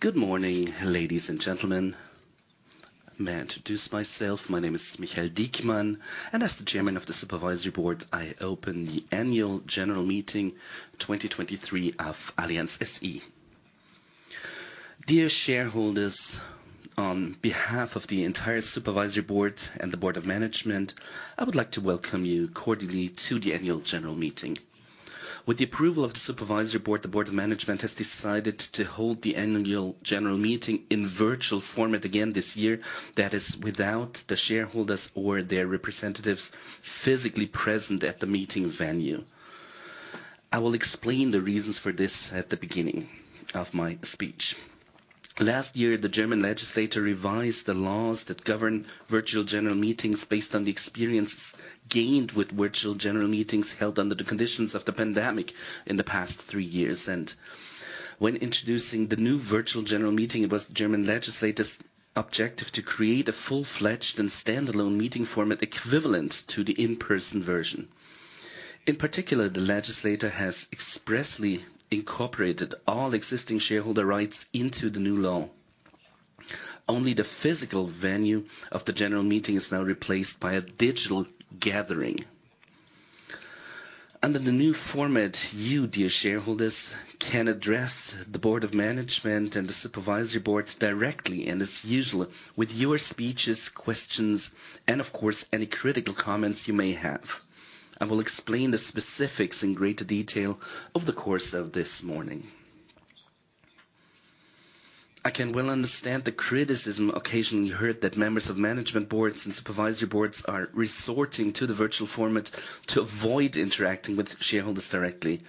Good morning, ladies and gentlemen. May I introduce myself, my name is Michael Diekmann, and as the Chairman of the Supervisory Board, I open the Annual General Meeting 2023 of Allianz SE. Dear shareholders, on behalf of the entire Supervisory Board and the Board of Management, I would like to welcome you cordially to the Annual General Meeting. With the approval of the Supervisory Board, the Board of Management has decided to hold the Annual General Meeting in virtual format again this year. That is without the shareholders or their representatives physically present at the meeting venue. I will explain the reasons for this at the beginning of my speech. Last year, the German legislature revised the laws that govern virtual general meetings based on the experience gained with virtual general meetings held under the conditions of the pandemic in the past three years. When introducing the new virtual general meeting, it was the German legislator's objective to create a full-fledged and standalone meeting format equivalent to the in-person version. In particular, the legislator has expressly incorporated all existing shareholder rights into the new law. Only the physical venue of the general meeting is now replaced by a digital gathering. Under the new format, you, dear shareholders, can address the board of management and the supervisory board directly, and as usual, with your speeches, questions, and of course, any critical comments you may have. I will explain the specifics in greater detail over the course of this morning. I can well understand the criticism occasionally heard that members of management boards and supervisory boards are resorting to the virtual format to avoid interacting with shareholders directly.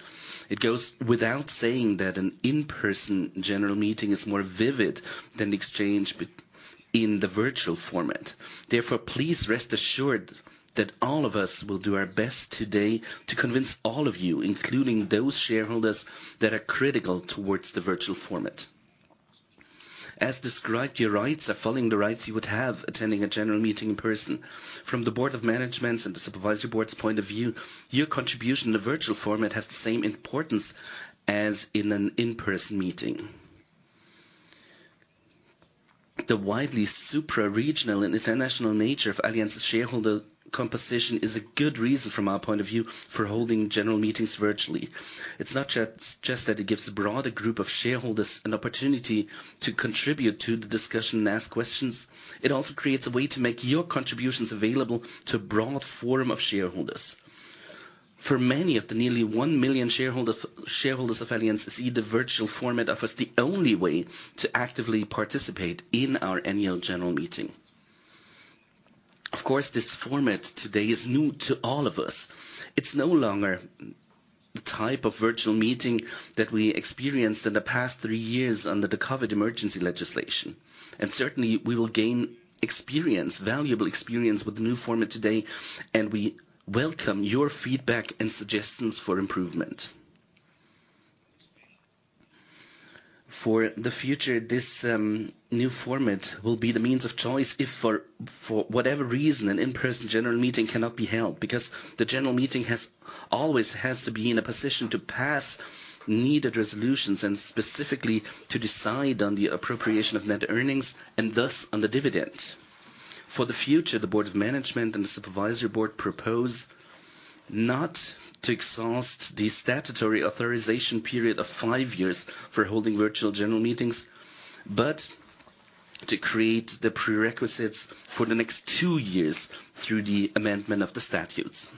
It goes without saying that an in-person general meeting is more vivid than the exchange in the virtual format. Therefore, please rest assured that all of us will do our best today to convince all of you, including those shareholders that are critical towards the virtual format. As described, your rights are following the rights you would have attending a general meeting in person. From the board of management and the supervisory board's point of view, your contribution in a virtual format has the same importance as in an in-person meeting. The widely supraregional and international nature of Allianz shareholder composition is a good reason from our point of view, for holding general meetings virtually. It's not just that it gives a broader group of shareholders an opportunity to contribute to the discussion and ask questions. It also creates a way to make your contributions available to a broad forum of shareholders. For many of the nearly 1 million shareholders of Allianz SE, the virtual format offers the only way to actively participate in our annual general meeting. Of course, this format today is new to all of us. It's no longer the type of virtual meeting that we experienced in the past three years under the COVID emergency legislation. Certainly, we will gain experience, valuable experience with the new format today, and we welcome your feedback and suggestions for improvement. For the future, this new format will be the means of choice if for whatever reason, an in-person general meeting cannot be held, because the general meeting always has to be in a position to pass needed resolutions and specifically to decide on the appropriation of net earnings and thus on the dividend. For the future, the board of management and the supervisory board propose not to exhaust the statutory authorization period of five years for holding virtual general meetings, but to create the prerequisites for the next two years through the amendment of the statutes.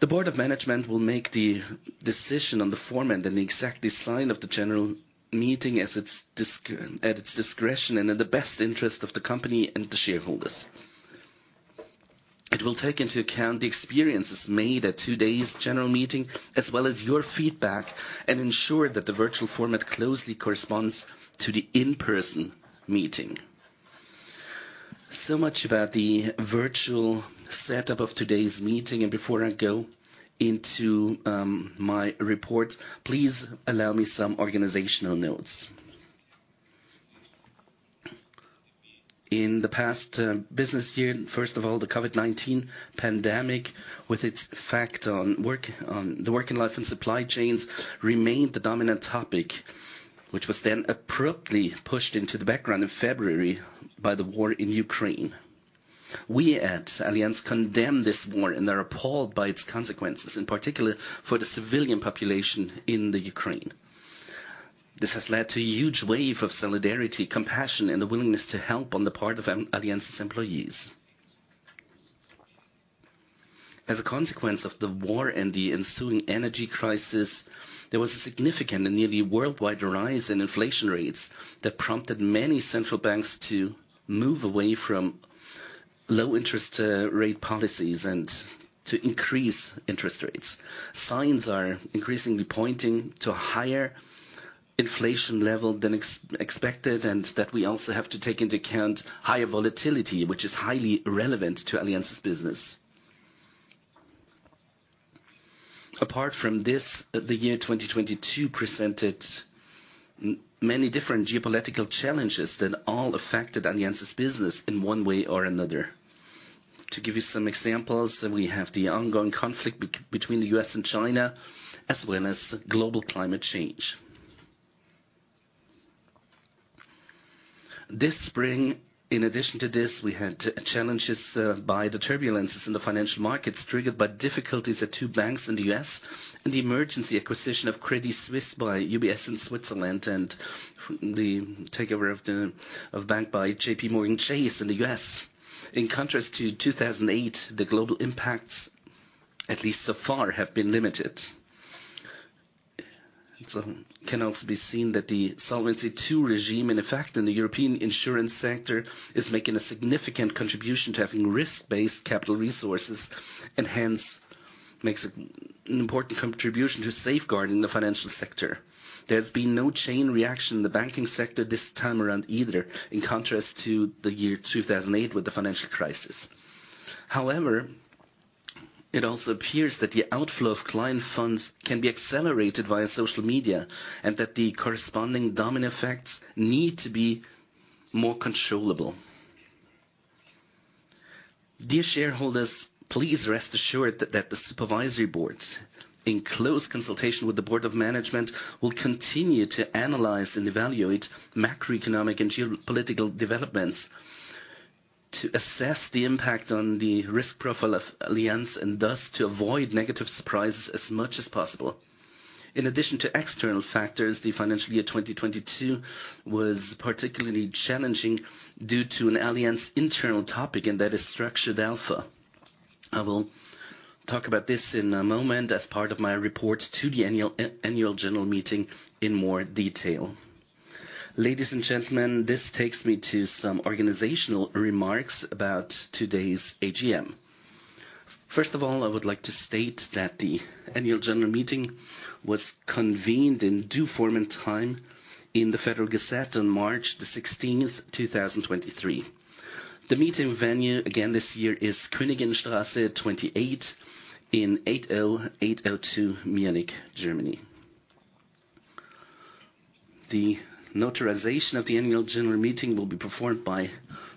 The board of management will make the decision on the format and the exact design of the general meeting at its discretion and in the best interest of the company and the shareholders. It will take into account the experiences made at today's general meeting, as well as your feedback, and ensure that the virtual format closely corresponds to the in-person meeting. Much about the virtual setup of today's meeting, and before I go into, my report, please allow me some organizational notes. In the past business year, first of all, the COVID-19 pandemic, with its effect on work, on the working life and supply chains, remained the dominant topic, which was then abruptly pushed into the background in February by the war in Ukraine. We at Allianz condemn this war and are appalled by its consequences, in particular for the civilian population in Ukraine. This has led to a huge wave of solidarity, compassion, and the willingness to help on the part of Allianz's employees. As a consequence of the war and the ensuing energy crisis, there was a significant and nearly worldwide rise in inflation rates that prompted many central banks to move away from low interest rate policies and to increase interest rates. Signs are increasingly pointing to a higher inflation level than expected, and that we also have to take into account higher volatility, which is highly relevant to Allianz's business. Apart from this, the year 2022 presented many different geopolitical challenges that all affected Allianz's business in one way or another. To give you some examples, we have the ongoing conflict between the U.S. and China, as well as global climate change. This spring, in addition to this, we had challenges by the turbulences in the financial markets triggered by difficulties at two banks in the U.S. and the emergency acquisition of Credit Suisse by UBS in Switzerland, and the takeover of the bank by JPMorgan Chase in the U.S. In contrast to 2008, the global impacts, at least so far, have been limited. It can also be seen that the Solvency II regime, in effect in the European insurance sector, is making a significant contribution to having risk-based capital resources and hence makes an important contribution to safeguarding the financial sector. There's been no chain reaction in the banking sector this time around either, in contrast to the year 2008 with the financial crisis. However, it also appears that the outflow of client funds can be accelerated via social media, and that the corresponding domino effects need to be more controllable. Dear shareholders, please rest assured that the supervisory board, in close consultation with the board of management, will continue to analyze and evaluate macroeconomic and geopolitical developments to assess the impact on the risk profile of Allianz and thus to avoid negative surprises as much as possible. In addition to external factors, the financial year 2022 was particularly challenging due to an Allianz internal topic, and that is Structured Alpha. I will talk about this in a moment as part of my report to the annual general meeting in more detail. Ladies and gentlemen, this takes me to some organizational remarks about today's AGM. First of all, I would like to state that the annual general meeting was convened in due form and time in the Federal Gazette on March 16th, 2023. The meeting venue again this year is Königinstraße 28 in 80802 Munich, Germany. The notarization of the annual general meeting will be performed by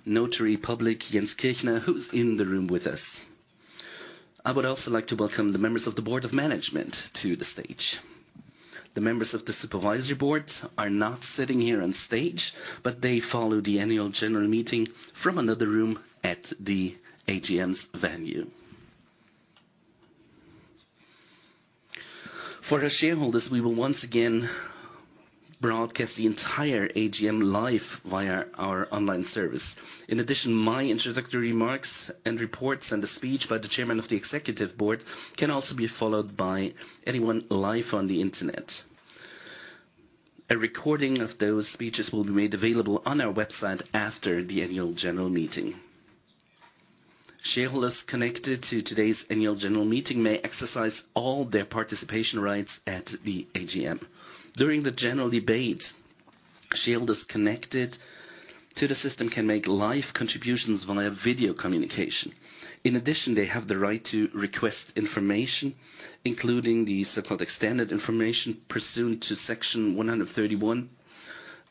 Notary Public Jens Kirchner, who's in the room with us. I would also like to welcome the members of the board of management to the stage. The members of the supervisory board are not sitting here on stage, but they follow the annual general meeting from another room at the AGM's venue. For our shareholders, we will once again broadcast the entire AGM live via our online service. In addition, my introductory remarks and reports and the speech by the Chairman of the Executive Board can also be followed by anyone live on the internet. A recording of those speeches will be made available on our website after the annual general meeting. Shareholders connected to today's annual general meeting may exercise all their participation rights at the AGM. During the general debate, shareholders connected to the system can make live contributions via video communication. In addition, they have the right to request information, including the so-called extended information pursuant to Section 131,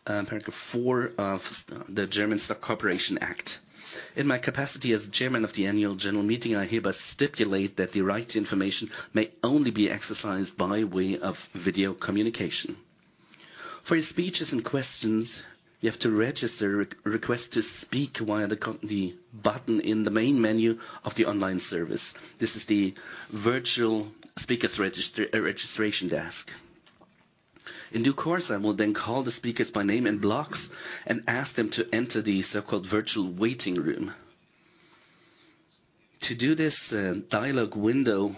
paragraph four of the German Stock Corporation Act. In my capacity as Chairman of the Annual General Meeting, I hereby stipulate that the right to information may only be exercised by way of video communication. For your speeches and questions, you have to register a request to speak via the button in the main menu of the online service. This is the virtual registration desk. In due course, I will then call the speakers by name in blocks and ask them to enter the so-called virtual waiting room. To do this, a dialogue window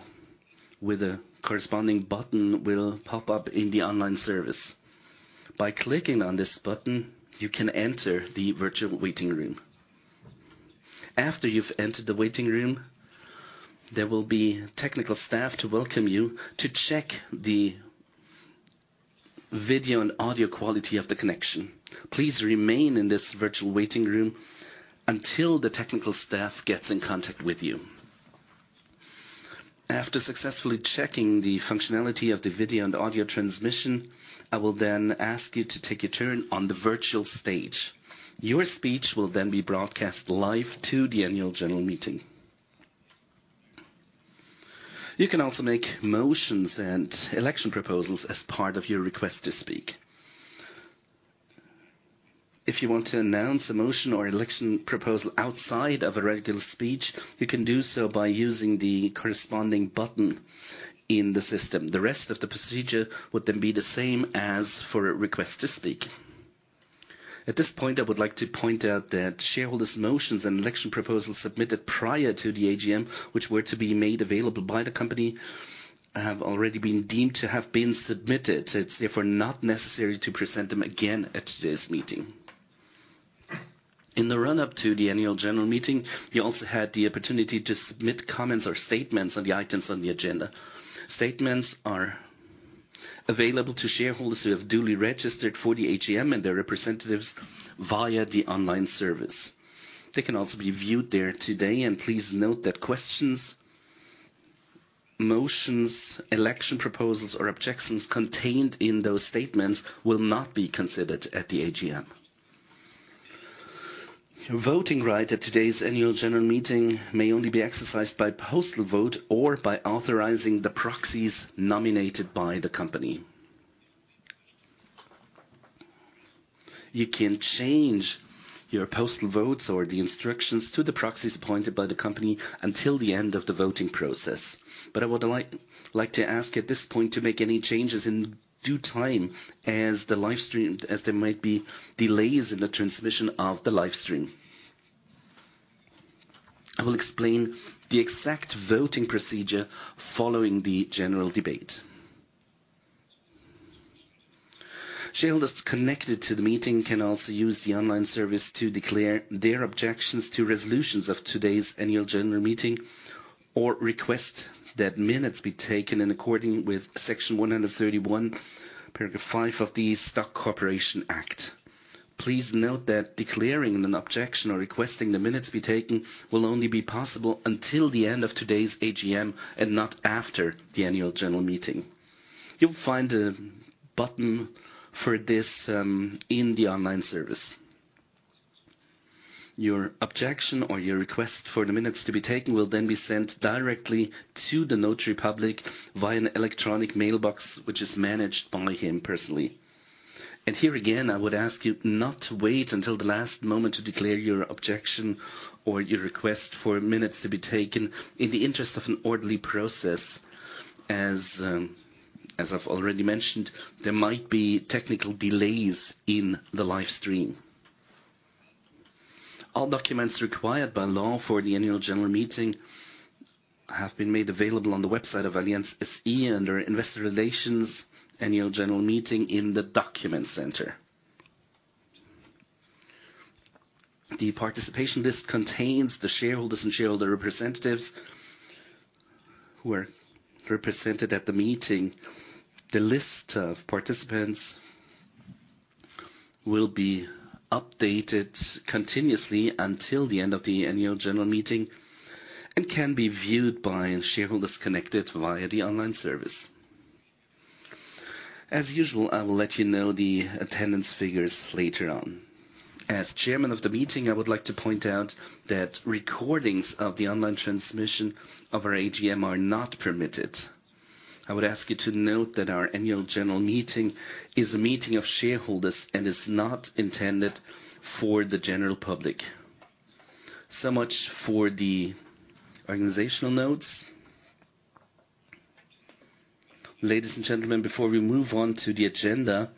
with a corresponding button will pop up in the online service. By clicking on this button, you can enter the virtual waiting room. After you've entered the waiting room, there will be technical staff to welcome you to check the video and audio quality of the connection. Please remain in this virtual waiting room until the technical staff gets in contact with you. After successfully checking the functionality of the video and audio transmission, I will then ask you to take a turn on the virtual stage. Your speech will then be broadcast live to the annual general meeting. You can also make motions and election proposals as part of your request to speak. If you want to announce a motion or election proposal outside of a regular speech, you can do so by using the corresponding button in the system. The rest of the procedure would then be the same as for a request to speak. At this point, I would like to point out that shareholders motions and election proposals submitted prior to the AGM, which were to be made available by the company, have already been deemed to have been submitted, so it's therefore not necessary to present them again at today's meeting. In the run-up to the annual general meeting, you also had the opportunity to submit comments or statements on the items on the agenda. Statements are available to shareholders who have duly registered for the AGM and their representatives via the online service. They can also be viewed there today. Please note that questions, motions, election proposals, or objections contained in those statements will not be considered at the AGM. Voting right at today's annual general meeting may only be exercised by postal vote or by authorizing the proxies nominated by the company. You can change your postal votes or the instructions to the proxies appointed by the company until the end of the voting process. I would like to ask at this point to make any changes in due time as the live stream, as there might be delays in the transmission of the live stream. I will explain the exact voting procedure following the general debate. Shareholders connected to the meeting can also use the online service to declare their objections to resolutions of today's annual general meeting, or request that minutes be taken in accordance with Section 131, paragraph 5 of the Stock Corporation Act. Please note that declaring an objection or requesting the minutes be taken will only be possible until the end of today's AGM and not after the annual general meeting. You'll find a button for this in the online service. Your objection or your request for the minutes to be taken will then be sent directly to the Notary Public via an electronic mailbox, which is managed by him personally. Here again, I would ask you not to wait until the last moment to declare your objection or your request for minutes to be taken in the interest of an orderly process. As I've already mentioned, there might be technical delays in the live stream. All documents required by law for the annual general meeting have been made available on the website of Allianz SE under Investor Relations annual general meeting in the document center. The participation list contains the shareholders and shareholder representatives who are represented at the meeting. The list of participants will be updated continuously until the end of the annual general meeting and can be viewed by shareholders connected via the online service. As usual, I will let you know the attendance figures later on. As chairman of the meeting, I would like to point out that recordings of the online transmission of our AGM are not permitted. I would ask you to note that our annual general meeting is a meeting of shareholders and is not intended for the general public. Much for the organizational notes. Ladies and gentlemen, before we move on to the agenda,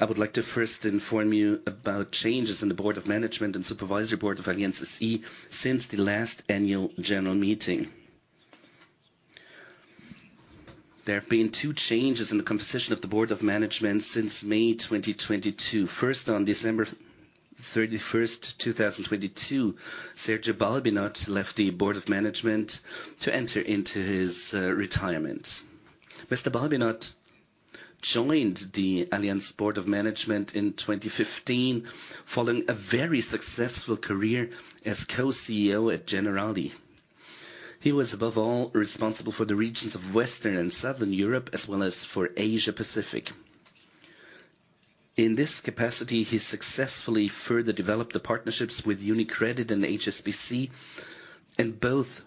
I would like to first inform you about changes in the board of management and supervisory board of Allianz SE since the last annual general meeting. There have been two changes in the composition of the board of management since May 2022. First, on December 31st, 2022, Sergio Balbinot left the board of management to enter into his retirement. Mr. Balbinot joined the Allianz Board of Management in 2015 following a very successful career as co-CEO at Generali. He was above all responsible for the regions of Western and Southern Europe, as well as for Asia Pacific. In this capacity, he successfully further developed the partnerships with UniCredit and HSBC, and both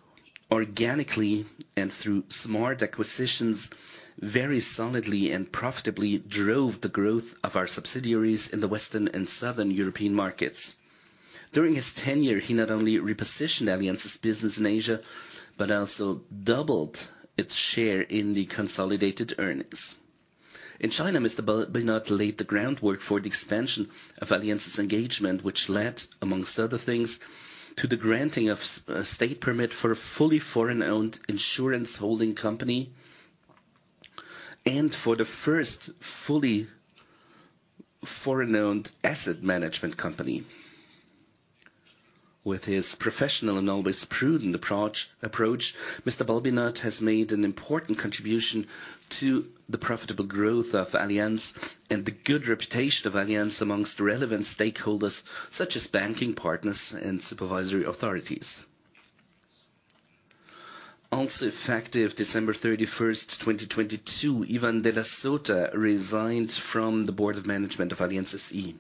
organically and through smart acquisitions, very solidly and profitably drove the growth of our subsidiaries in the Western and Southern European markets. During his tenure, he not only repositioned Allianz's business in Asia, but also doubled its share in the consolidated earnings. In China, Mr. Balbinot laid the groundwork for the expansion of Allianz's engagement, which led, amongst other things, to the granting of a state permit for a fully foreign-owned insurance holding company and for the first fully foreign-owned asset management company. With his professional and always prudent approach, Mr. Balbinot has made an important contribution to the profitable growth of Allianz and the good reputation of Allianz amongst relevant stakeholders such as banking partners and supervisory authorities. Also effective December 31st, 2022, Ivan de la Sota resigned from the board of management of Allianz SE.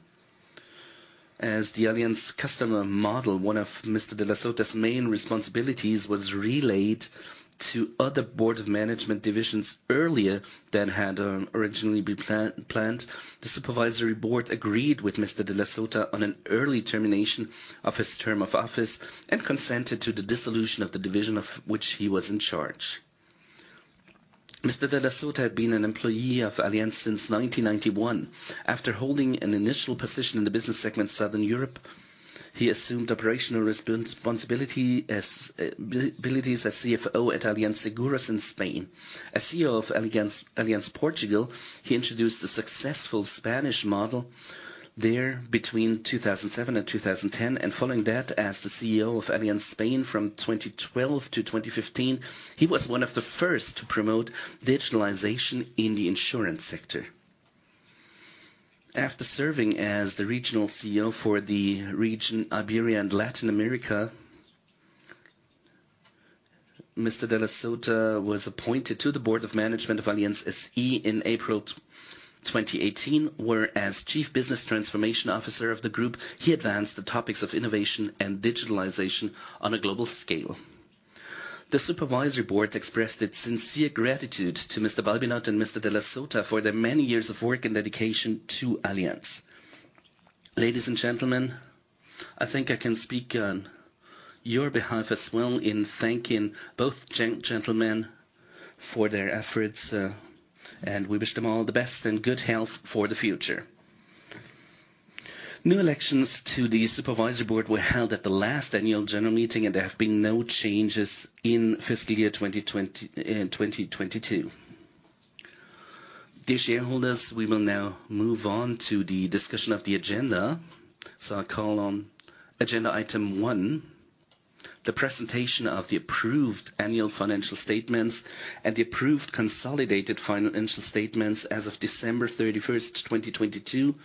As the Allianz Customer Model, one of Mr. de la Sota's main responsibilities was relayed to other board of management divisions earlier than had originally been planned. The supervisory board agreed with Mr. de la Sota on an early termination of his term of office and consented to the dissolution of the division of which he was in charge. Mr. de la Sota had been an employee of Allianz since 1991. After holding an initial position in the business segment Southern Europe, he assumed operational responsibility as abilities as CFO at Allianz Seguros in Spain. As CEO of Allianz Portugal, he introduced a successful Spanish model there between 2007 and 2010. Following that, as the CEO of Allianz Spain from 2012 to 2015, he was one of the first to promote digitalization in the insurance sector. After serving as the regional CEO for the region Iberia and Latin America, Mr. de la Sota was appointed to the board of management of Allianz SE in April 2018, where as Chief Business Transformation Officer of the group, he advanced the topics of innovation and digitalization on a global scale. The Supervisory Board expressed its sincere gratitude to Mr. Balbinot and Mr. de la Sota for their many years of work and dedication to Allianz. Ladies and gentlemen, I think I can speak on your behalf as well in thanking both gentlemen for their efforts, and we wish them all the best and good health for the future. New elections to the Supervisory Board were held at the last annual general meeting, and there have been no changes in fiscal year 2022. Dear shareholders, we will now move on to the discussion of the agenda. I call on agenda item 1, the presentation of the approved annual financial statements and the approved consolidated financial statements as of December 31st, 2022,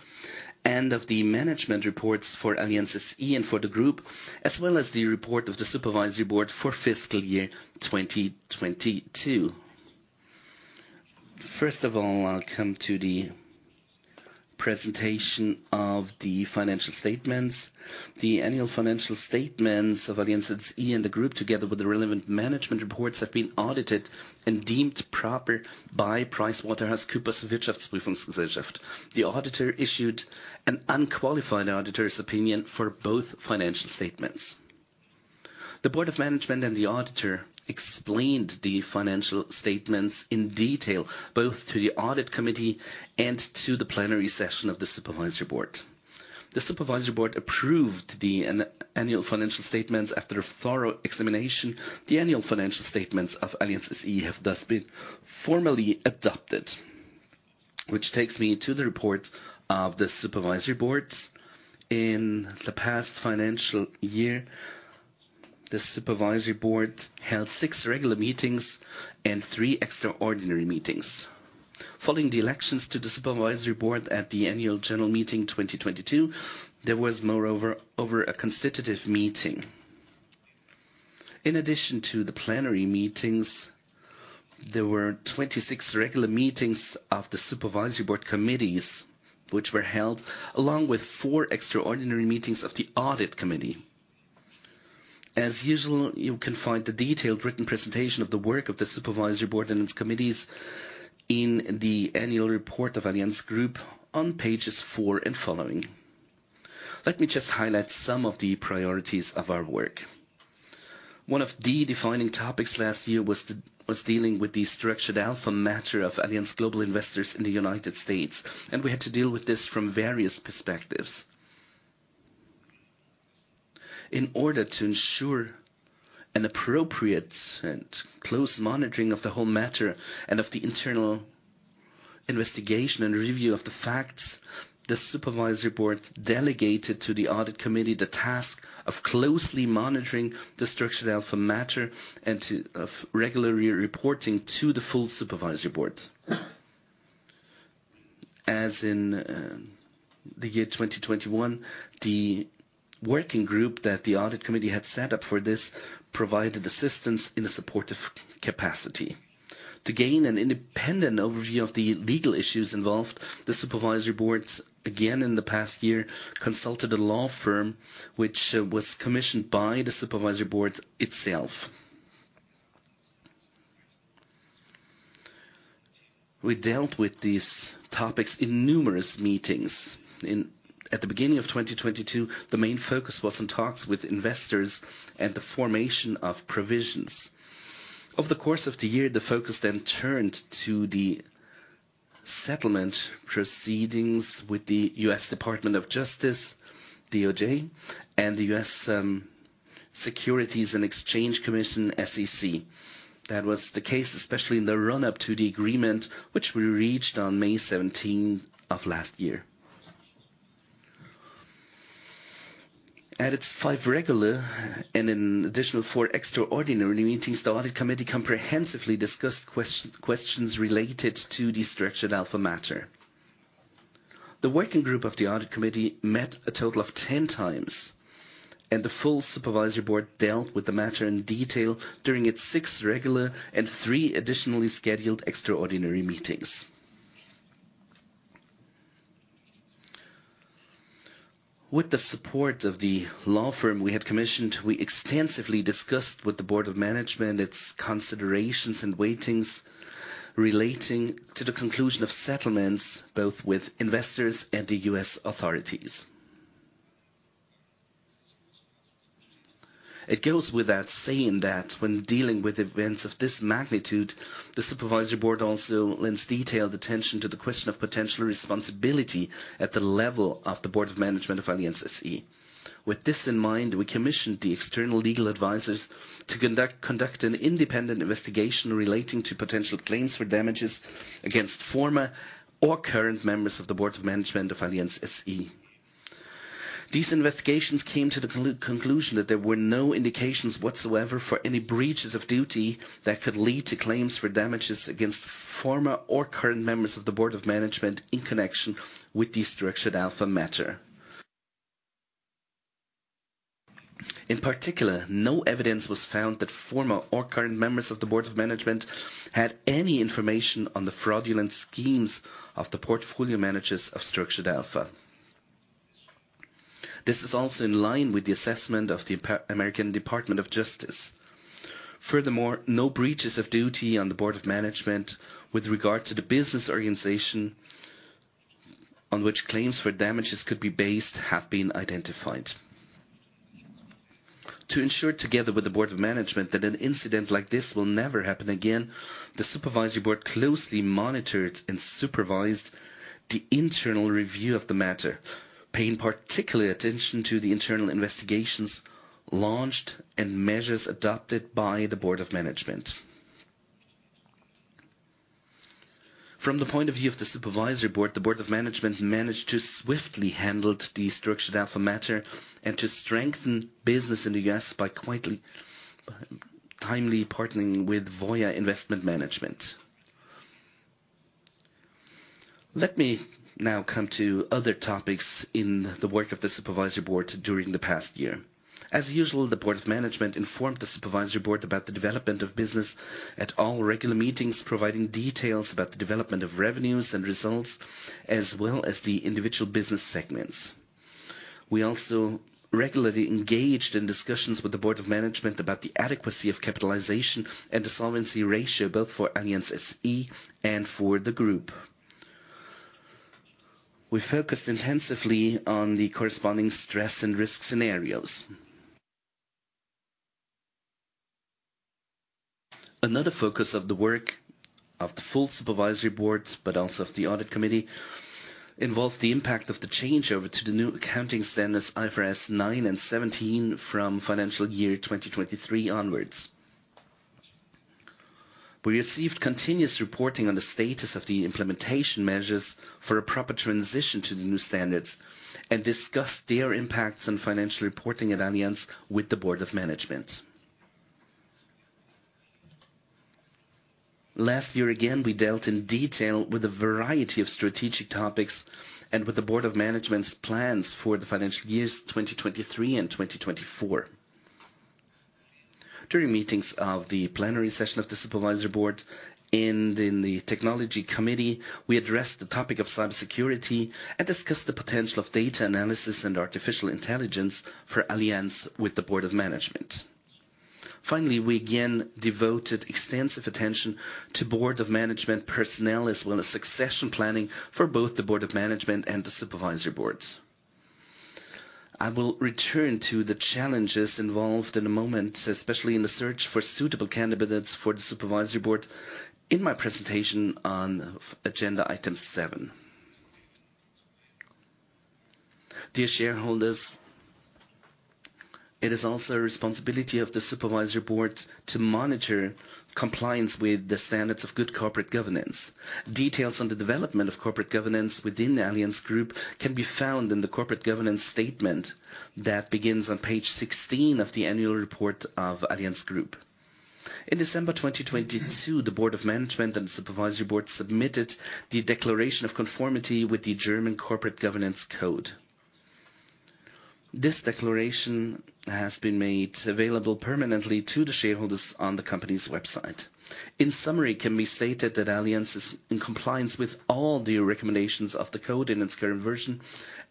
and of the management reports for Allianz SE and for the group, as well as the report of the Supervisory Board for fiscal year 2022. First of all, I'll come to the presentation of the financial statements. The annual financial statements of Allianz SE and the Group, together with the relevant management reports, have been audited and deemed proper by PricewaterhouseCoopers. The auditor issued an unqualified auditor's opinion for both financial statements. The Board of Management and the auditor explained the financial statements in detail, both to the audit committee and to the plenary session of the Supervisory Board. The Supervisory Board approved the annual financial statements after a thorough examination. The annual financial statements of Allianz SE have thus been formally adopted. This takes me to the report of the Supervisory Board. In the past financial year, the Supervisory Board held six regular meetings and three extraordinary meetings. Following the elections to the Supervisory Board at the Annual General Meeting 2022, there was moreover a constitutive meeting. In addition to the plenary meetings, there were 26 regular meetings of the Supervisory Board committees, which were held along with four extraordinary meetings of the audit committee. As usual, you can find the detailed written presentation of the work of the Supervisory Board and its committees in the annual report of Allianz Group on pages 4 and following. Let me just highlight some of the priorities of our work. One of the defining topics last year was dealing with the Structured Alpha matter of Allianz Global Investors in the United States. We had to deal with this from various perspectives. In order to ensure an appropriate and close monitoring of the whole matter and of the internal investigation and review of the facts, the Supervisory Board delegated to the Audit Committee the task of closely monitoring the Structured Alpha matter and of regularly reporting to the full Supervisory Board. As in the year 2021, the working group that the Audit Committee had set up for this provided assistance in a supportive capacity. To gain an independent overview of the legal issues involved, the Supervisory Boards, again in the past year, consulted a law firm which was commissioned by the Supervisory Board itself. We dealt with these topics in numerous meetings. At the beginning of 2022, the main focus was on talks with investors and the formation of provisions. Over the course of the year, the focus then turned to the settlement proceedings with the U.S. Department of Justice, DOJ, and the U.S. Securities and Exchange Commission, SEC. That was the case especially in the run-up to the agreement which we reached on May 17th of last year. At its five regular and an additional four extraordinary meetings, the Audit Committee comprehensively discussed questions related to the Structured Alpha matter. The working group of the Audit Committee met a total of 10x, and the full Supervisory Board dealt with the matter in detail during its six regular and three additionally scheduled extraordinary meetings. With the support of the law firm we had commissioned, we extensively discussed with the Board of Management its considerations and weightings relating to the conclusion of settlements, both with investors and the U.S. authorities. It goes without saying that when dealing with events of this magnitude, the Supervisory Board also lends detailed attention to the question of potential responsibility at the level of the board of management of Allianz SE. With this in mind, we commissioned the external legal advisors to conduct an independent investigation relating to potential claims for damages against former or current members of the board of management of Allianz SE. These investigations came to the conclusion that there were no indications whatsoever for any breaches of duty that could lead to claims for damages against former or current members of the board of management in connection with the Structured Alpha matter. In particular, no evidence was found that former or current members of the board of management had any information on the fraudulent schemes of the portfolio managers of Structured Alpha. This is also in line with the assessment of the U.S. Department of Justice. Furthermore, no breaches of duty on the board of management with regard to the business organization on which claims for damages could be based have been identified. To ensure together with the board of management that an incident like this will never happen again, the supervisory board closely monitored and supervised the internal review of the matter, paying particular attention to the internal investigations launched and measures adopted by the board of management. From the point of view of the supervisory board, the board of management managed to swiftly handle the Structured Alpha matter and to strengthen business in the U.S. by quietly-timely partnering with Voya Investment Management. Let me now come to other topics in the work of the supervisory board during the past year. As usual, the board of management informed the supervisory board about the development of business at all regular meetings, providing details about the development of revenues and results, as well as the individual business segments. We also regularly engaged in discussions with the board of management about the adequacy of capitalization and the solvency ratio, both for Allianz SE and for the group. We focused intensively on the corresponding stress and risk scenarios. Another focus of the work of the full supervisory board, but also of the audit committee, involves the impact of the change over to the new accounting standards IFRS 9 and 17 from financial year 2023 onwards. We received continuous reporting on the status of the implementation measures for a proper transition to the new standards, and discussed their impacts on financial reporting at Allianz with the board of management. Last year again, we dealt in detail with a variety of strategic topics and with the Board of Management's plans for the financial years 2023 and 2024. During meetings of the plenary session of the Supervisory Board and in the Technology Committee, we addressed the topic of cybersecurity and discussed the potential of data analysis and artificial intelligence for Allianz with the Board of Management. Finally, we again devoted extensive attention to Board of Management personnel, as well as succession planning for both the Board of Management and the Supervisory Boards. I will return to the challenges involved in a moment, especially in the search for suitable candidates for the Supervisory Board in my presentation on agenda item 7. Dear shareholders, it is also a responsibility of the Supervisory Board to monitor compliance with the standards of good corporate governance. Details on the development of corporate governance within the Allianz Group can be found in the corporate governance statement that begins on page 16 of the annual report of Allianz Group. In December 2022, the board of management and supervisory board submitted the declaration of conformity with the German Corporate Governance Code. This declaration has been made available permanently to the shareholders on the company's website. In summary, it can be stated that Allianz is in compliance with all the recommendations of the code in its current version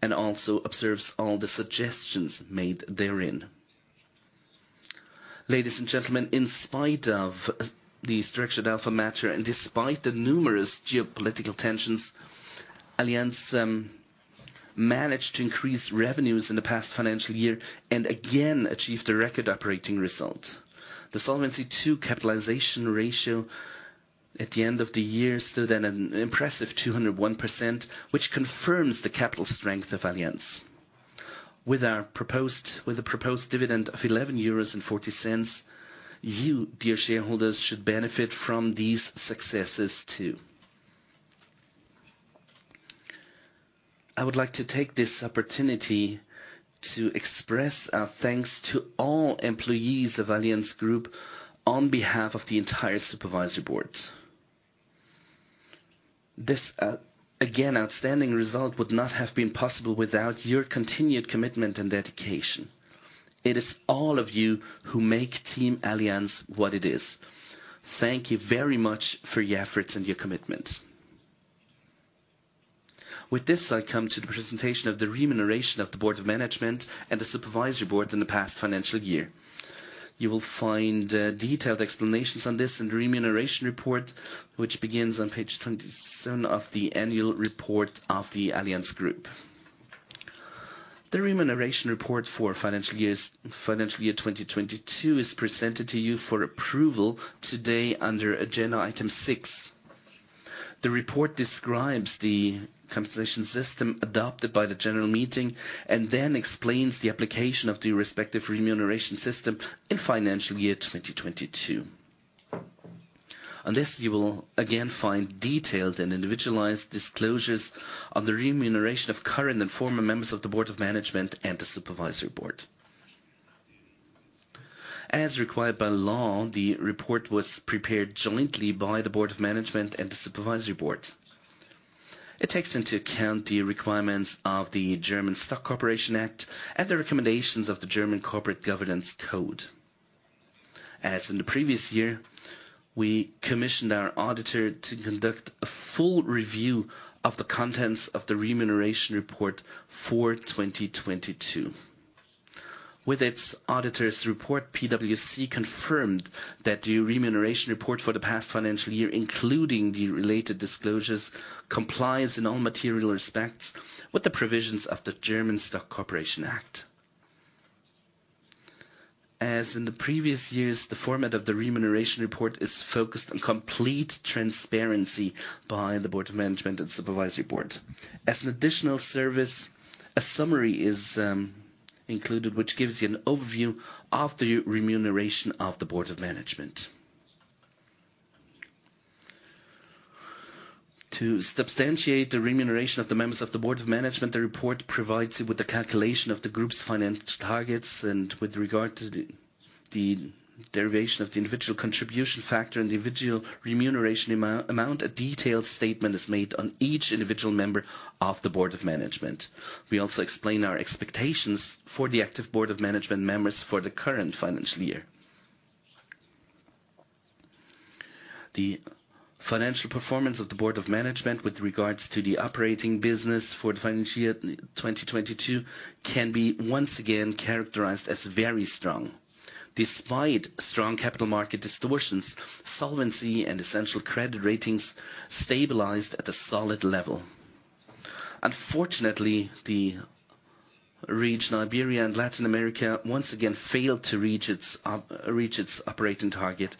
and also observes all the suggestions made therein. Ladies and gentlemen, in spite of the Structured Alpha matter and despite the numerous geopolitical tensions, Allianz managed to increase revenues in the past financial year and again achieved a record operating result. The Solvency II capitalization ratio at the end of the year stood at an impressive 201%, which confirms the capital strength of Allianz. With the proposed dividend of 11.40 euros, you, dear shareholders, should benefit from these successes too. I would like to take this opportunity to express our thanks to all employees of Allianz Group on behalf of the entire supervisory board. This, again, outstanding result would not have been possible without your continued commitment and dedication. It is all of you who make Team Allianz what it is. Thank you very much for your efforts and your commitment. With this, I come to the presentation of the remuneration of the board of management and the supervisory board in the past financial year. You will find detailed explanations on this in the remuneration report, which begins on page 27 of the annual report of the Allianz Group. The remuneration report for financial year 2022 is presented to you for approval today under agenda item 6. The report describes the compensation system adopted by the general meeting and then explains the application of the respective remuneration system in financial year 2022. On this, you will again find detailed and individualized disclosures on the remuneration of current and former members of the Board of Management and the Supervisory Board. As required by law, the report was prepared jointly by the Board of Management and the Supervisory Board. It takes into account the requirements of the German Stock Corporation Act and the recommendations of the German Corporate Governance Code. As in the previous year, we commissioned our auditor to conduct a full review of the contents of the remuneration report for 2022. With its auditor's report, PwC confirmed that the remuneration report for the past financial year, including the related disclosures, complies in all material respects with the provisions of the German Stock Corporation Act. As in the previous years, the format of the remuneration report is focused on complete transparency by the Board of Management and Supervisory Board. As an additional service, a summary is included which gives you an overview of the remuneration of the Board of Management. To substantiate the remuneration of the members of the Board of Management, the report provides you with the calculation of the group's financial targets and with regard to the derivation of the individual contribution factor and individual remuneration amount, a detailed statement is made on each individual member of the Board of Management. We also explain our expectations for the active Board of Management members for the current financial year. The financial performance of the Board of Management with regards to the operating business for the financial year 2022 can be once again characterized as very strong. Despite strong capital market distortions, solvency and essential credit ratings stabilized at a solid level. Unfortunately, the region Iberia and Latin America once again failed to reach its operating target,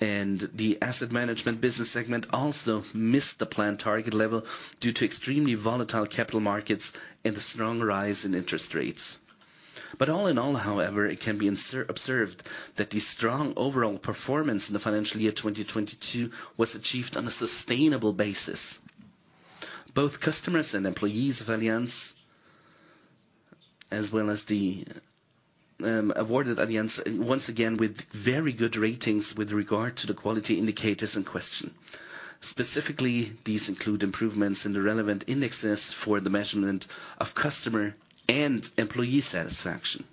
and the asset management business segment also missed the planned target level due to extremely volatile capital markets and the strong rise in interest rates. All in all, however, it can be observed that the strong overall performance in the financial year 2022 was achieved on a sustainable basis. Both customers and employees of Allianz, as well as the awarded Allianz once again with very good ratings with regard to the quality indicators in question. Specifically, these include improvements in the relevant indexes for the measurement of customer and employee satisfaction.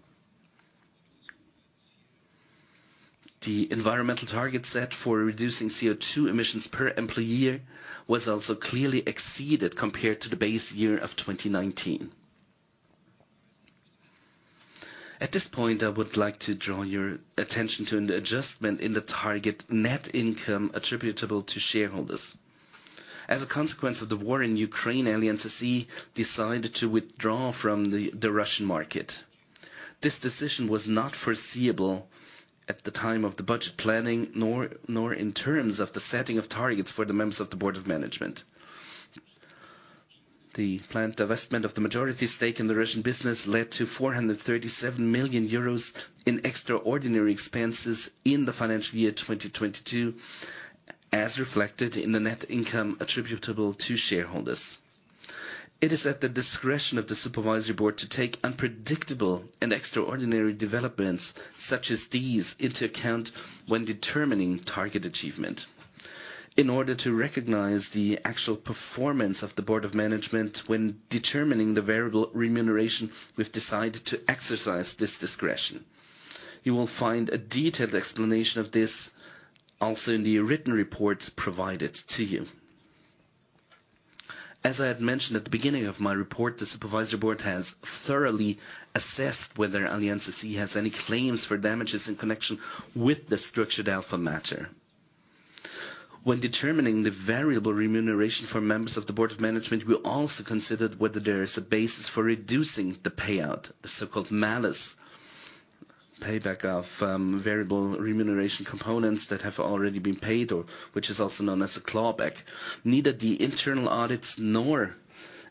The environmental target set for reducing CO2 emissions per employee was also clearly exceeded compared to the base year of 2019. At this point, I would like to draw your attention to the adjustment in the target net income attributable to shareholders. As a consequence of the war in Ukraine, Allianz SE decided to withdraw from the Russian market. This decision was not foreseeable at the time of the budget planning, nor in terms of the setting of targets for the members of the Board of Management. The planned divestment of the majority stake in the Russian business led to 437 million euros in extraordinary expenses in the financial year 2022, as reflected in the net income attributable to shareholders. It is at the discretion of the Supervisory Board to take unpredictable and extraordinary developments such as these into account when determining target achievement. In order to recognize the actual performance of the Board of Management when determining the variable remuneration, we've decided to exercise this discretion. You will find a detailed explanation of this also in the written reports provided to you. As I had mentioned at the beginning of my report, the Supervisory Board has thoroughly assessed whether Allianz SE has any claims for damages in connection with the Structured Alpha matter. When determining the variable remuneration for members of the Board of Management, we also considered whether there is a basis for reducing the payout, the so-called malus payback of variable remuneration components that have already been paid, or which is also known as a clawback. Neither the internal audits nor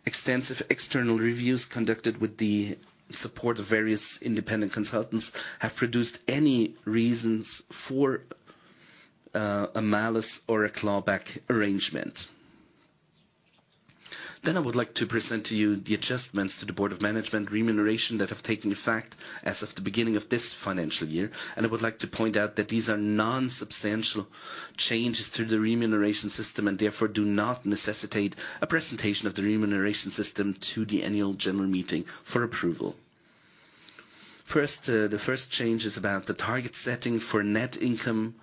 extensive external reviews conducted with the support of various independent consultants have produced any reasons for a malus or a clawback arrangement. I would like to present to you the adjustments to the Board of Management remuneration that have taken effect as of the beginning of this financial year, and I would like to point out that these are non-substantial changes to the remuneration system and therefore do not necessitate a presentation of the remuneration system to the annual general meeting for approval. First, the first change is about the target setting for net income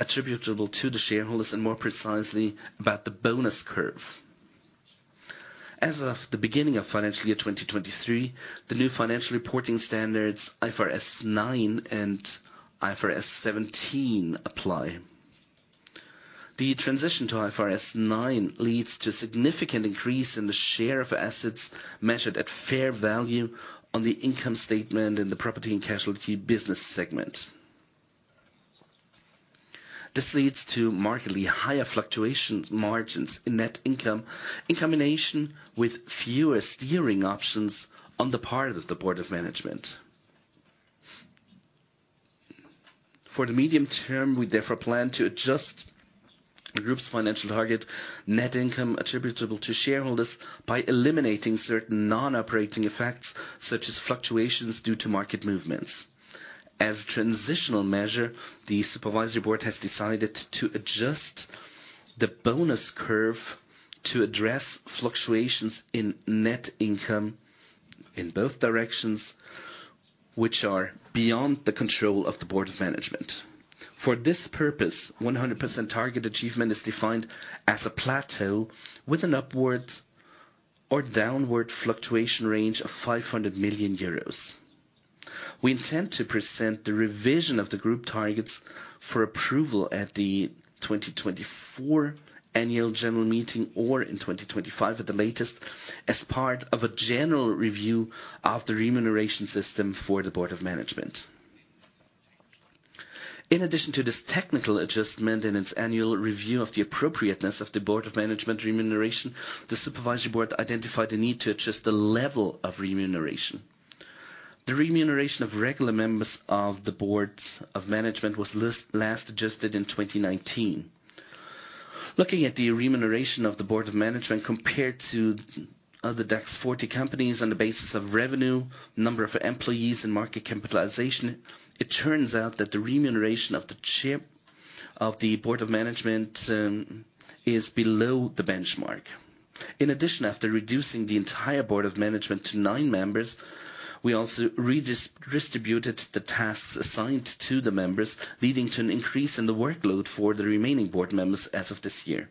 attributable to the shareholders and more precisely about the bonus curve. As of the beginning of financial year 2023, the new financial reporting standards IFRS 9 and IFRS 17 apply. The transition to IFRS 9 leads to a significant increase in the share of assets measured at fair value on the income statement in the property and casualty business segment. This leads to markedly higher fluctuations margins in net income in combination with fewer steering options on the part of the Board of Management. For the medium term, we therefore plan to adjust the group's financial target net income attributable to shareholders by eliminating certain non-operating effects, such as fluctuations due to market movements. As a transitional measure, the Supervisory Board has decided to adjust the bonus curve to address fluctuations in net income in both directions which are beyond the control of the Board of Management. For this purpose, 100% target achievement is defined as a plateau with an upward or downward fluctuation range of 500 million euros. We intend to present the revision of the group targets for approval at the 2024 annual general meeting or in 2025 at the latest as part of a general review of the remuneration system for the Board of Management. In addition to this technical adjustment in its annual review of the appropriateness of the Board of Management remuneration, the Supervisory Board identified the need to adjust the level of remuneration. The remuneration of regular members of the Board of Management was last adjusted in 2019. Looking at the remuneration of the Board of Management compared to other DAX 40 companies on the basis of revenue, number of employees, and market capitalization, it turns out that the remuneration of the chair of the Board of Management is below the benchmark. In addition, after reducing the entire Board of Management to nine members, we also redistributed the tasks assigned to the members, leading to an increase in the workload for the remaining board members as of this year.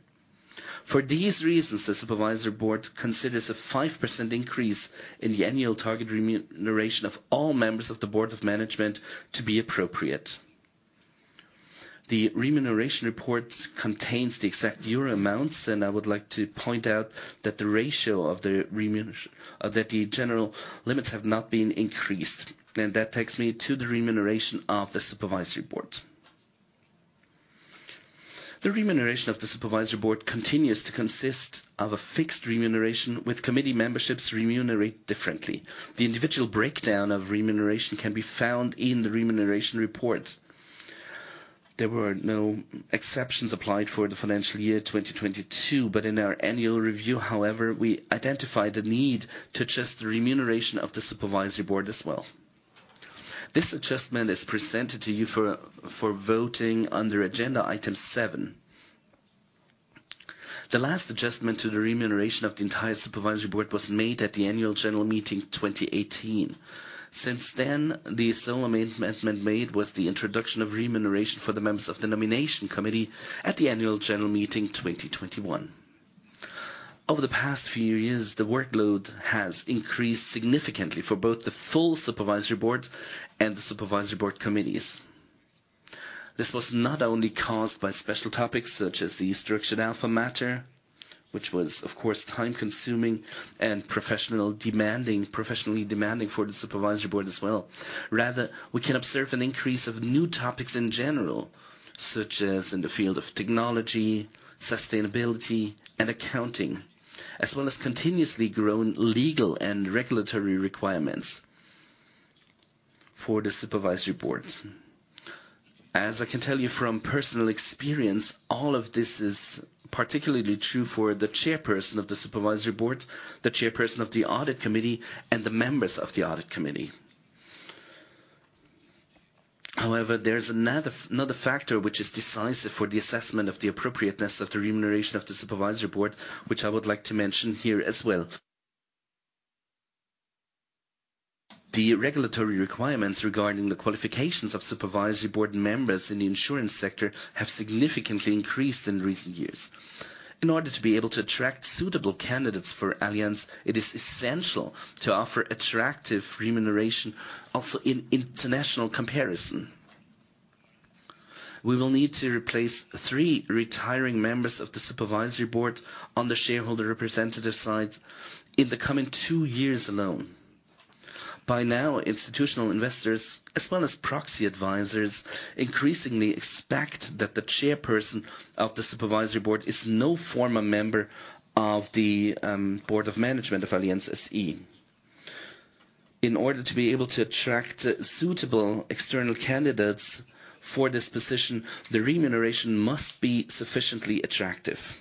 For these reasons, the Supervisory Board considers a 5% increase in the annual target remuneration of all members of the Board of Management to be appropriate. The remuneration report contains the exact euro amounts. I would like to point out that the ratio of the remuneration that the general limits have not been increased. That takes me to the remuneration of the Supervisory Board. The remuneration of the Supervisory Board continues to consist of a fixed remuneration with committee memberships remunerate differently. The individual breakdown of remuneration can be found in the remuneration report. There were no exceptions applied for the financial year 2022. In our annual review, however, we identified the need to adjust the remuneration of the Supervisory Board as well. This adjustment is presented to you for voting under agenda item 7. The last adjustment to the remuneration of the entire Supervisory Board was made at the Annual General Meeting 2018. Since then, the sole amendment made was the introduction of remuneration for the members of the Nomination Committee at the Annual General Meeting 2021. Over the past few years, the workload has increased significantly for both the full Supervisory Board and the Supervisory Board committees. This was not only caused by special topics such as the Structured Alpha matter, which was of course time-consuming and professionally demanding for the Supervisory Board as well. Rather, we can observe an increase of new topics in general, such as in the field of technology, sustainability, and accounting, as well as continuously grown legal and regulatory requirements for the Supervisory Board. As I can tell you from personal experience, all of this is particularly true for the chairperson of the Supervisory Board, the chairperson of the Audit Committee, and the members of the Audit Committee. However, there's another factor which is decisive for the assessment of the appropriateness of the remuneration of the Supervisory Board, which I would like to mention here as well. The regulatory requirements regarding the qualifications of Supervisory Board members in the insurance sector have significantly increased in recent years. In order to be able to attract suitable candidates for Allianz, it is essential to offer attractive remuneration, also in international comparison. We will need to replace three retiring members of the Supervisory Board on the shareholder representative sides in the coming two years alone. By now, institutional investors, as well as proxy advisors, increasingly expect that the chairperson of the Supervisory Board is no former member of the Board of Management of Allianz SE. In order to be able to attract suitable external candidates for this position, the remuneration must be sufficiently attractive.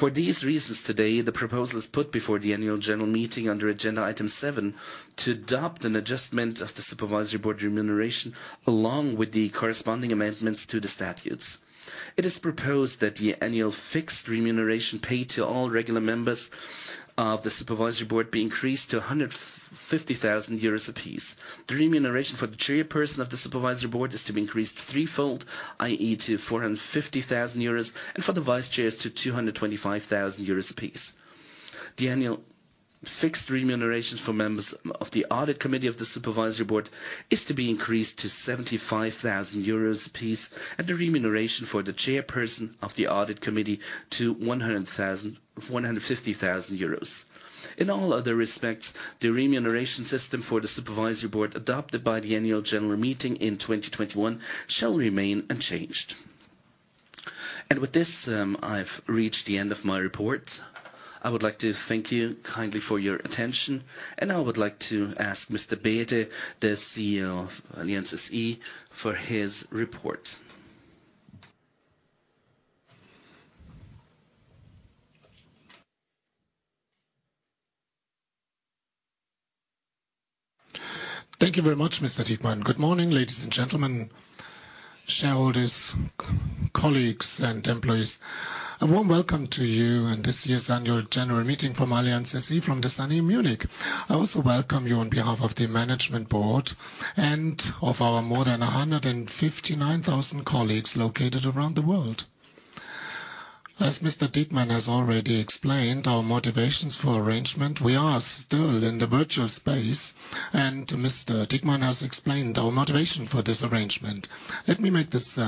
For these reasons today, the proposal is put before the Annual General Meeting under agenda item 7 to adopt an adjustment of the Supervisory Board remuneration along with the corresponding amendments to the statutes. It is proposed that the annual fixed remuneration paid to all regular members of the Supervisory Board be increased to 150,000 euros apiece. The remuneration for the chairperson of the Supervisory Board is to be increased threefold, i.e., to 450,000 euros, and for the vice-chairs to 225,000 euros apiece. The annual fixed remunerations for members of the Audit Committee of the Supervisory Board is to be increased to 75,000 euros apiece, and the remuneration for the chairperson of the Audit Committee to 150,000 euros. In all other respects, the remuneration system for the Supervisory Board adopted by the Annual General Meeting in 2021 shall remain unchanged. With this, I've reached the end of my report. I would like to thank you kindly for your attention, and I would like to ask Mr. Bäte, the CEO of Allianz SE, for his report. Thank you very much, Mr. Diekmann. Good morning, ladies and gentlemen, shareholders, colleagues, and employees. A warm welcome to you and this year's annual general meeting from Allianz SE from the sunny Munich. I also welcome you on behalf of the management board and of our more than 159,000 colleagues located around the world. As Mr. Diekmann has already explained our motivations for arrangement, we are still in the virtual space, and Mr. Diekmann has explained our motivation for this arrangement. Let me make this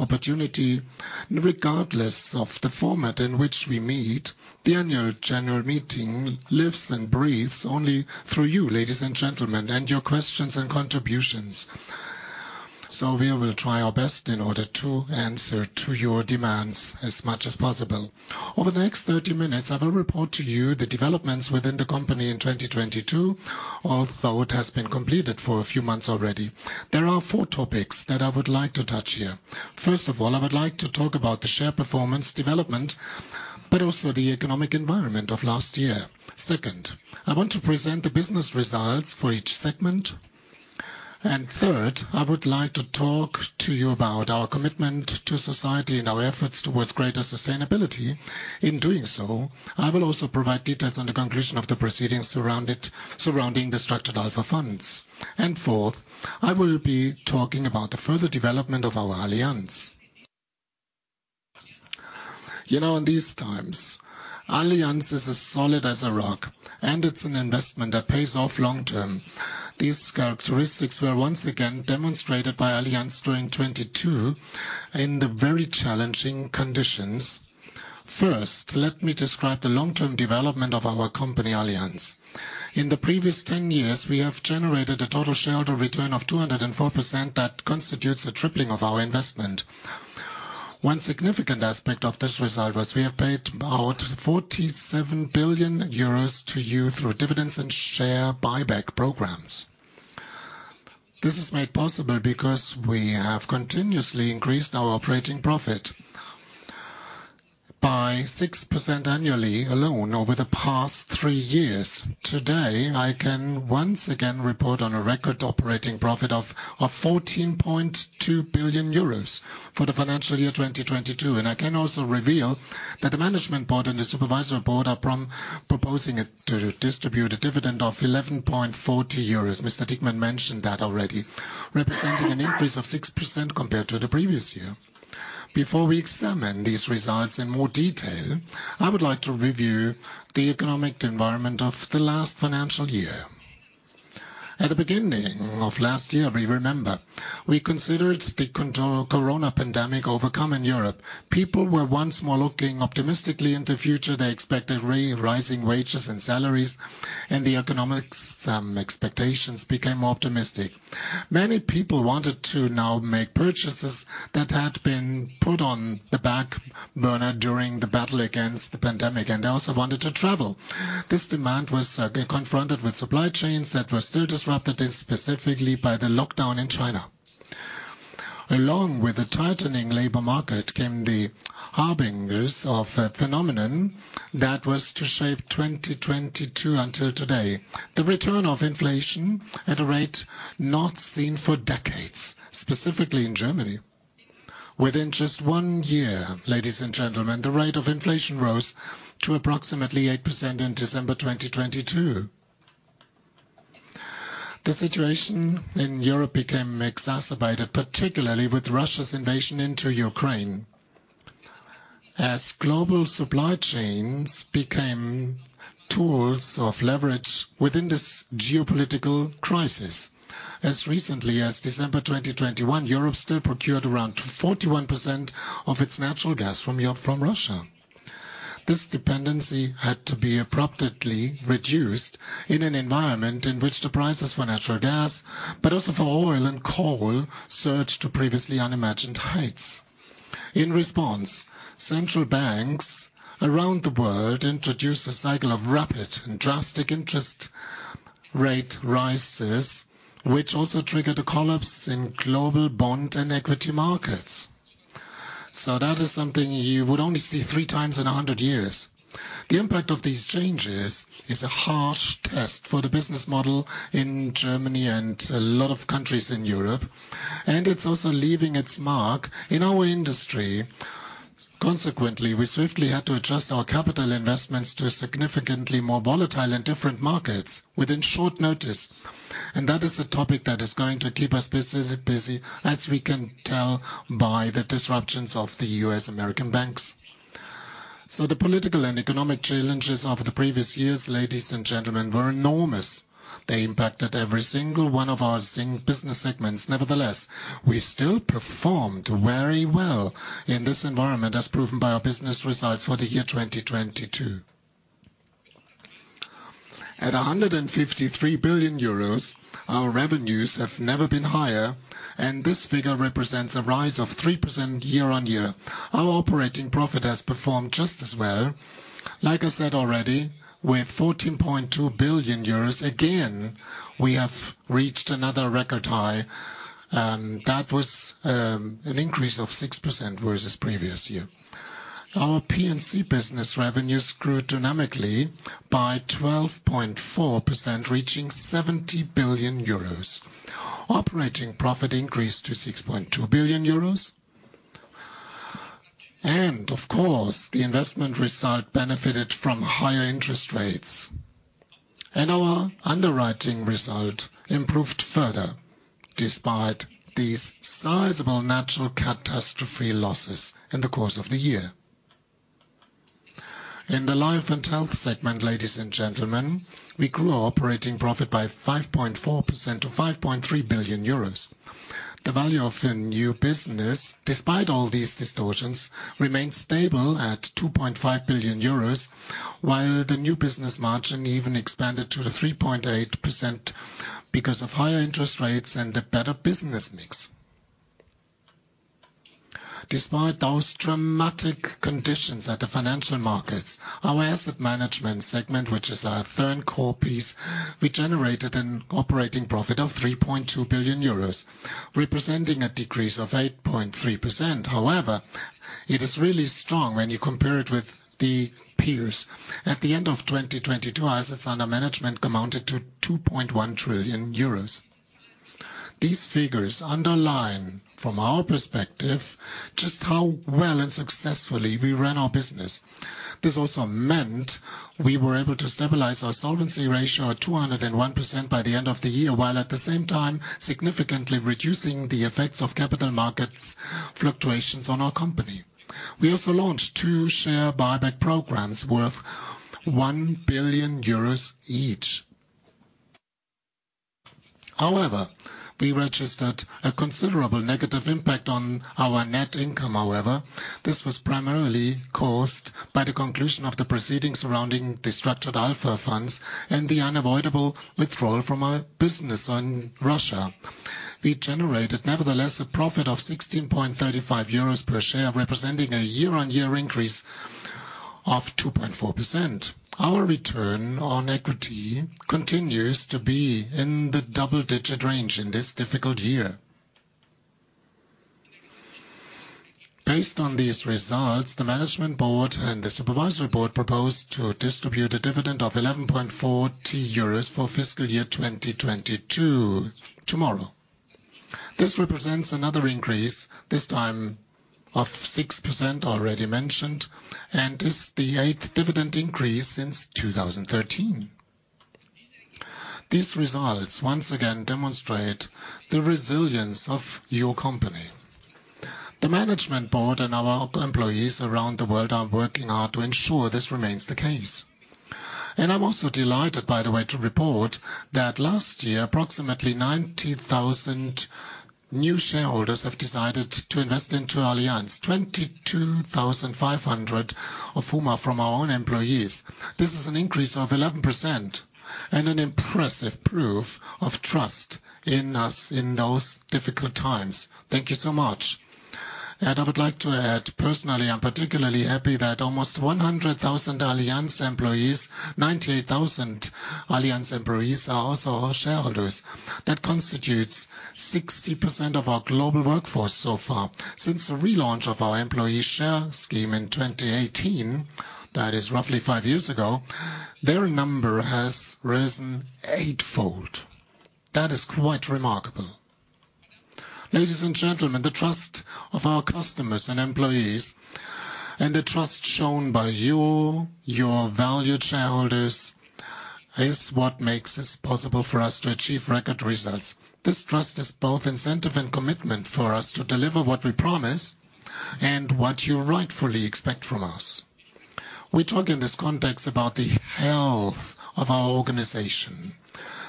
opportunity. Regardless of the format in which we meet, the annual general meeting lives and breathes only through you, ladies and gentlemen, and your questions and contributions. We will try our best in order to answer to your demands as much as possible. Over the next 30 minutes, I will report to you the developments within the company in 2022, although it has been completed for a few months already. There are four topics that I would like to touch here. First of all, I would like to talk about the share performance development, but also the economic environment of last year. Second, I want to present the business results for each segment. Third, I would like to talk to you about our commitment to society and our efforts towards greater sustainability. In doing so, I will also provide details on the conclusion of the proceedings surrounding the Structured Alpha funds. Fourth, I will be talking about the further development of our Allianz. You know, in these times, Allianz is as solid as a rock, and it's an investment that pays off long term. These characteristics were once again demonstrated by Allianz during 2022 in the very challenging conditions. First, let me describe the long-term development of our company, Allianz. In the previous 10 years, we have generated a total shareholder return of 204% that constitutes a tripling of our investment. One significant aspect of this result was we have paid about 47 billion euros to you through dividends and share buyback programs. This is made possible because we have continuously increased our operating profit by 6% annually alone over the past three years. Today, I can once again report on a record operating profit of 14.2 billion euros for the financial year 2022. I can also reveal that the management board and the supervisory board are proposing to distribute a dividend of 11.40 euros. Mr. Diekmann mentioned that already, representing an increase of 6% compared to the previous year. Before we examine these results in more detail, I would like to review the economic environment of the last financial year. At the beginning of last year, we remember, we considered the Corona pandemic overcome in Europe. People were once more looking optimistically into future. They expected rising wages and salaries. The economic expectations became more optimistic. Many people wanted to now make purchases that had been put on the back burner during the battle against the pandemic. They also wanted to travel. This demand was confronted with supply chains that were still disrupted. Specifically by the lockdown in China. Along with the tightening labor market came the harbingers of a phenomenon that was to shape 2022 until today. The return of inflation at a rate not seen for decades, specifically in Germany. Within just one year, ladies and gentlemen, the rate of inflation rose to approximately 8% in December 2022. The situation in Europe became exacerbated, particularly with Russia's invasion into Ukraine. Global supply chains became tools of leverage within this geopolitical crisis. Recently as December 2021, Europe still procured around 41% of its natural gas from Russia. This dependency had to be abruptly reduced in an environment in which the prices for natural gas, but also for oil and coal, surged to previously unimagined heights. In response, central banks around the world introduced a cycle of rapid and drastic interest rate rises, which also triggered a collapse in global bond and equity markets. That is something you would only see three times in 100 years. The impact of these changes is a harsh test for the business model in Germany and a lot of countries in Europe. It's also leaving its mark in our industry. Consequently, we swiftly had to adjust our capital investments to significantly more volatile and different markets within short notice. That is a topic that is going to keep us busy, as we can tell by the disruptions of the U.S. American banks. The political and economic challenges of the previous years, ladies and gentlemen, were enormous. They impacted every single one of our business segments. Nevertheless, we still performed very well in this environment, as proven by our business results for the year 2022. At 153 billion euros, our revenues have never been higher. This figure represents a rise of 3% year-on-year. Our operating profit has performed just as well. Like I said already, with 14.2 billion euros, again, we have reached another record high, that was an increase of 6% versus previous year. Our P&C business revenues grew dynamically by 12.4%, reaching 70 billion euros. Operating profit increased to 6.2 billion euros. Of course, the investment result benefited from higher interest rates. Our underwriting result improved further despite these sizable natural catastrophe losses in the course of the year. In the life and health segment, ladies and gentlemen, we grew operating profit by 5.4% to 5.3 billion euros. The value of the new business, despite all these distortions, remained stable at 2.5 billion euros, while the new business margin even expanded to 3.8% because of higher interest rates and a better business mix. Despite those dramatic conditions at the financial markets, our asset management segment, which is our third core piece, we generated an operating profit of 3.2 billion euros, representing a decrease of 8.3%. However, it is really strong when you compare it with the peers. At the end of 2022, assets under management amounted to 2.1 trillion euros. These figures underline, from our perspective, just how well and successfully we ran our business. This also meant we were able to stabilize our solvency ratio at 201% by the end of the year, while at the same time significantly reducing the effects of capital markets fluctuations on our company. We also launched two share buyback programs worth EUR 1 billion each. We registered a considerable negative impact on our net income, however. This was primarily caused by the conclusion of the proceedings surrounding the Structured Alpha funds and the unavoidable withdrawal from our business in Russia. We generated, nevertheless, a profit of 16.35 euros per share, representing a year-on-year increase of 2.4%. Our return on equity continues to be in the double-digit range in this difficult year. Based on these results, the Management Board and the Supervisory Board proposed to distribute a dividend of 11.40 euros for fiscal year 2022 tomorrow. This represents another increase, this time of 6% already mentioned, and is the eighth dividend increase since 2013. These results once again demonstrate the resilience of your company. The management board and our employees around the world are working hard to ensure this remains the case. I'm also delighted, by the way, to report that last year, approximately 90,000 new shareholders have decided to invest into Allianz, 22,500 of whom are from our own employees. This is an increase of 11% and an impressive proof of trust in us in those difficult times. Thank you so much. I would like to add, personally, I'm particularly happy that almost 100,000 Allianz employees, 90,000 Allianz employees are also our shareholders. That constitutes 60% of our global workforce so far. Since the relaunch of our employee share scheme in 2018, that is roughly five years ago, their number has risen eightfold. That is quite remarkable. Ladies and gentlemen, the trust of our customers and employees, and the trust shown by you, your valued shareholders, is what makes this possible for us to achieve record results. This trust is both incentive and commitment for us to deliver what we promise and what you rightfully expect from us. We talk in this context about the health of our organization.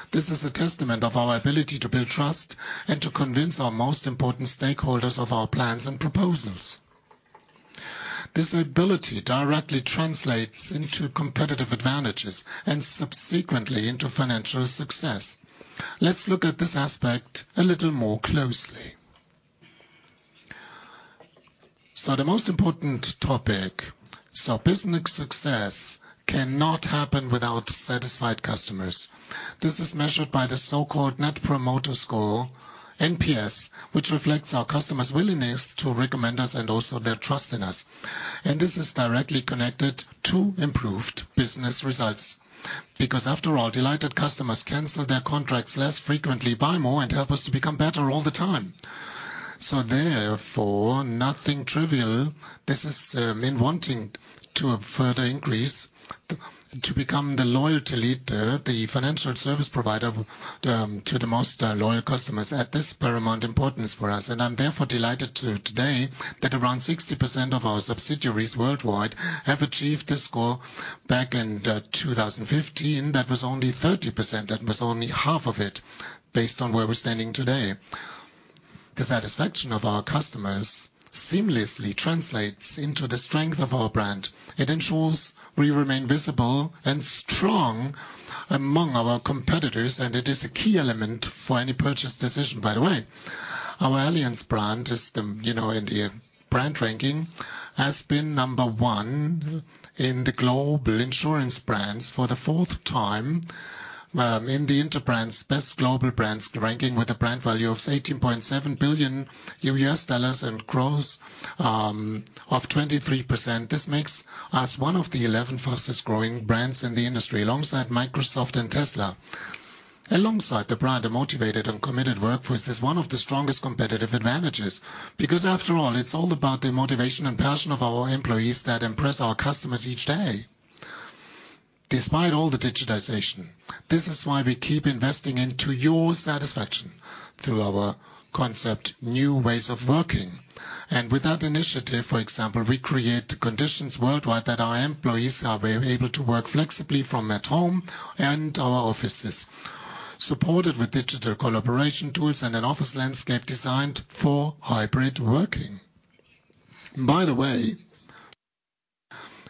This is a testament of our ability to build trust and to convince our most important stakeholders of our plans and proposals. This ability directly translates into competitive advantages and subsequently into financial success. Let's look at this aspect a little more closely. The most important topic. Business success cannot happen without satisfied customers. This is measured by the so-called Net Promoter Score, NPS, which reflects our customers' willingness to recommend us and also their trust in us. This is directly connected to improved business results. Because after all, delighted customers cancel their contracts less frequently, buy more, and help us to become better all the time. Therefore, nothing trivial. This has been wanting to further increase to become the loyalty leader, the financial service provider, to the most loyal customers. That is paramount importance for us. I'm therefore delighted today that around 60% of our subsidiaries worldwide have achieved this goal. Back in 2015, that was only 30%. That was only half of it based on where we're standing today. The satisfaction of our customers seamlessly translates into the strength of our brand. It ensures we remain visible and strong among our competitors, it is a key element for any purchase decision. By the way, our Allianz brand is the, you know, in the brand ranking has been number one in the global insurance brands for the fourth time in the Interbrand's Best Global Brands ranking with a brand value of $18.7 billion and growth of 23%. This makes us one of the 11 fastest growing brands in the industry, alongside Microsoft and Tesla. Alongside the brand, a motivated and committed workforce is one of the strongest competitive advantages. After all, it's all about the motivation and passion of our employees that impress our customers each day. Despite all the digitization, this is why we keep investing into your satisfaction through our concept, new Ways of Working. With that initiative, for example, we create conditions worldwide that our employees are very able to work flexibly from at home and our offices, supported with digital collaboration tools and an office landscape designed for hybrid working. By the way,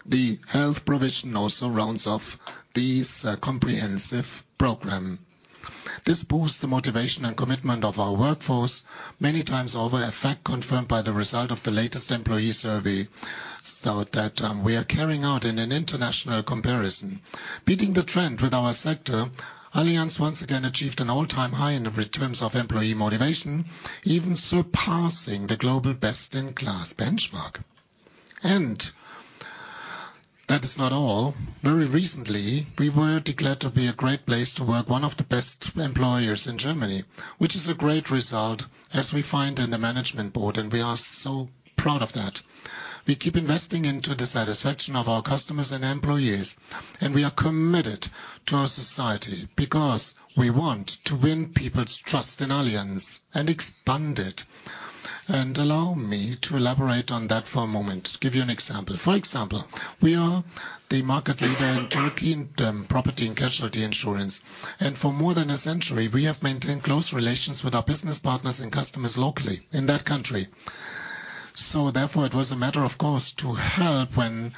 the health provision also rounds off this comprehensive program. This boosts the motivation and commitment of our workforce many times over. A fact confirmed by the result of the latest employee survey. That we are carrying out in an international comparison. Beating the trend with our sector, Allianz once again achieved an all-time high in terms of employee motivation, even surpassing the global best-in-class benchmark. That is not all. Very recently, we were declared to be a Great Place to Work, one of the best employers in Germany. Which is a great result as we find in the management board, we are so proud of that. We keep investing into the satisfaction of our customers and employees, we are committed to our society because we want to win people's trust in Allianz and expand it. Allow me to elaborate on that for a moment. Give you an example. For example, we are the market leader in Turkey in property and casualty insurance. For more than a century, we have maintained close relations with our business partners and customers locally in that country. Therefore, it was a matter, of course, to help when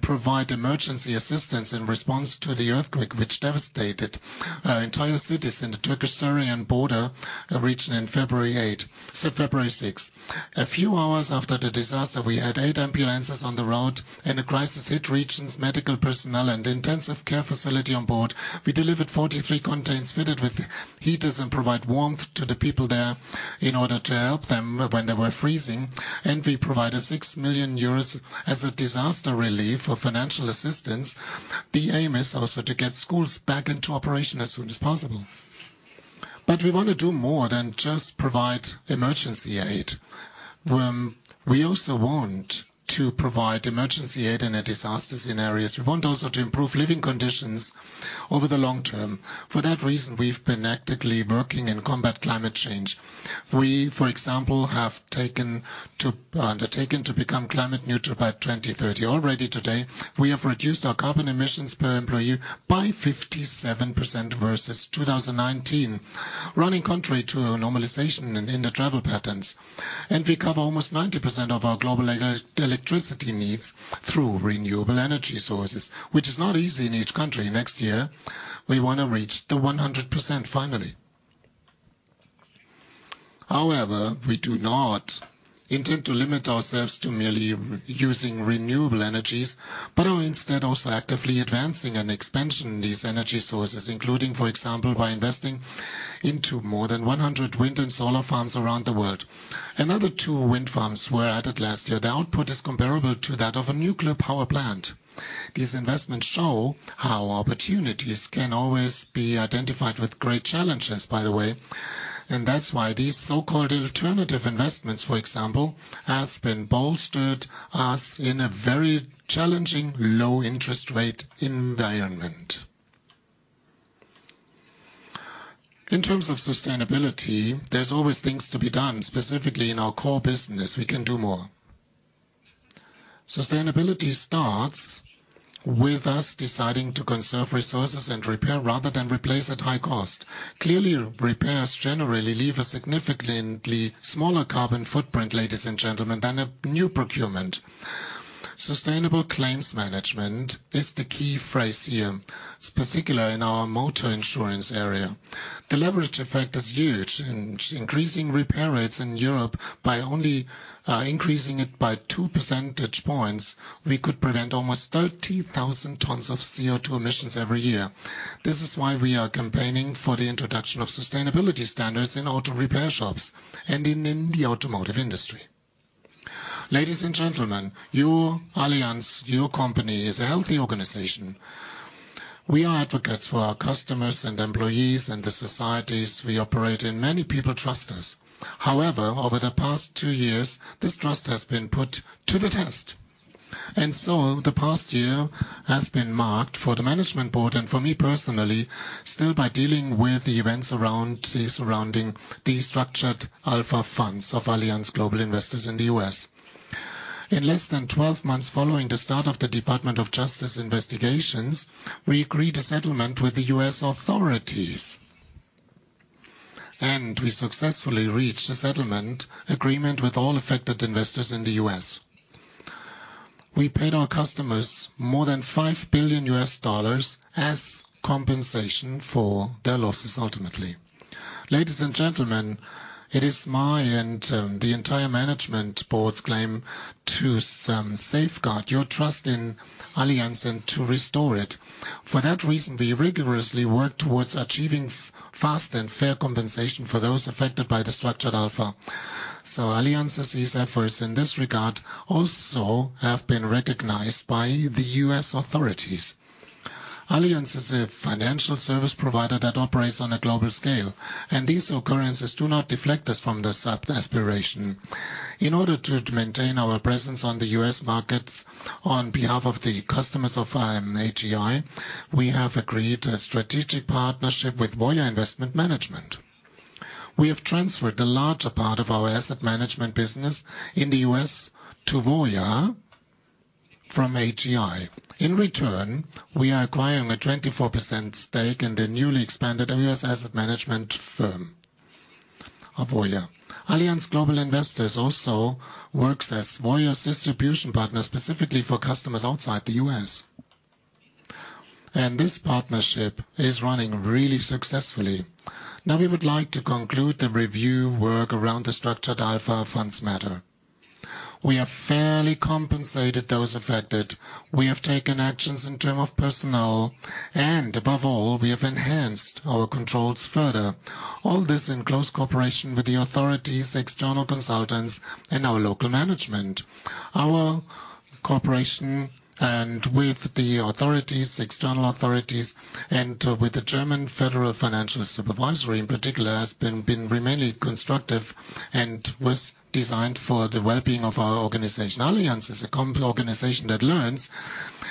provide emergency assistance in response to the earthquake, which devastated entire cities in the Turkish-Syrian border region in February 8. February 6. A few hours after the disaster, we had eight ambulances on the road in the crisis-hit regions, medical personnel and intensive care facility on board. We delivered 43 containers fitted with heaters and provide warmth to the people there in order to help them when they were freezing. We provided 6 million euros as a disaster relief for financial assistance. The aim is also to get schools back into operation as soon as possible. We want to do more than just provide emergency aid. We also want to provide emergency aid in a disaster scenarios. We want also to improve living conditions over the long term. For that reason, we've been actively working in combat climate change. We, for example, have undertaken to become climate neutral by 2030. Already today, we have reduced our carbon emissions per employee by 57% versus 2019. Running contrary to a normalization in the travel patterns. We cover almost 90% of our global electricity needs through renewable energy sources, which is not easy in each country. Next year, we wanna reach the 100% finally. However, we do not intend to limit ourselves to merely using renewable energies, but are instead also actively advancing an expansion in these energy sources, including, for example, by investing into more than 100 wind and solar farms around the world. Another two wind farms were added last year. The output is comparable to that of a nuclear power plant. These investments show how opportunities can always be identified with great challenges, by the way. That's why these so-called alternative investments, for example, has been bolstered us in a very challenging low interest rate environment. In terms of sustainability, there's always things to be done. Specifically in our core business, we can do more. Sustainability starts with us deciding to conserve resources and repair rather than replace at high cost. Clearly, repairs generally leave a significantly smaller carbon footprint, ladies and gentlemen, than a new procurement. Sustainable claims management is the key phrase here, particularly in our motor insurance area. The leverage effect is huge. In increasing repair rates in Europe by only increasing it by 2 percentage points, we could prevent almost 30,000 tons of CO2 emissions every year. This is why we are campaigning for the introduction of sustainability standards in auto repair shops and in the automotive industry. Ladies and gentlemen, your Allianz, your company is a healthy organization. We are advocates for our customers and employees and the societies we operate in. Many people trust us. However, over the past two years, this trust has been put to the test. The past year has been marked for the management board, and for me personally, still by dealing with the events surrounding the Structured Alpha funds of Allianz Global Investors in the U.S. In less than 12 months following the start of the Department of Justice investigations, we agreed a settlement with the U.S authorities. We successfully reached a settlement agreement with all affected investors in the U.S. We paid our customers more than $5 billion as compensation for their losses, ultimately. Ladies and gentlemen, it is my and the entire management board's claim to safeguard your trust in Allianz and to restore it. For that reason, we rigorously work towards achieving fast and fair compensation for those affected by the Structured Alpha. Allianz's efforts in this regard also have been recognized by the U.S. authorities. Allianz is a financial service provider that operates on a global scale, and these occurrences do not deflect us from this aspiration. In order to maintain our presence on the U.S. markets on behalf of the customers of IMAGI, we have agreed a strategic partnership with Voya Investment Management. We have transferred a larger part of our asset management business in the U.S. to Voya from AllianzGI. In return, we are acquiring a 24% stake in the newly expanded U.S. asset management firm of Voya. Allianz Global Investors also works as Voya's distribution partner, specifically for customers outside the U.S. This partnership is running really successfully. Now we would like to conclude the review work around the Structured Alpha funds matter. We have fairly compensated those affected. We have taken actions in term of personnel. Above all, we have enhanced our controls further. All this in close cooperation with the authorities, external consultants and our local management. Our cooperation and with the authorities, external authorities and with the German Federal Financial Supervisory in particular, has been remaining constructive and was designed for the well-being of our organization. Allianz is a organization that learns,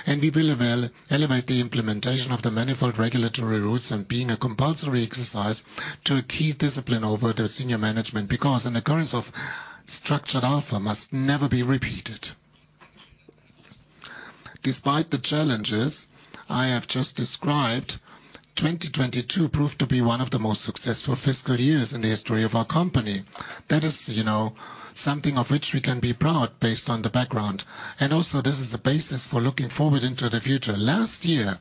and we will evolve, elevate the implementation of the manifold regulatory routes and being a compulsory exercise to a key discipline over the senior management, because an occurrence of Structured Alpha must never be repeated. Despite the challenges I have just described, 2022 proved to be one of the most successful fiscal years in the history of our company. That is, you know, something of which we can be proud based on the background. Also this is the basis for looking forward into the future. Last year,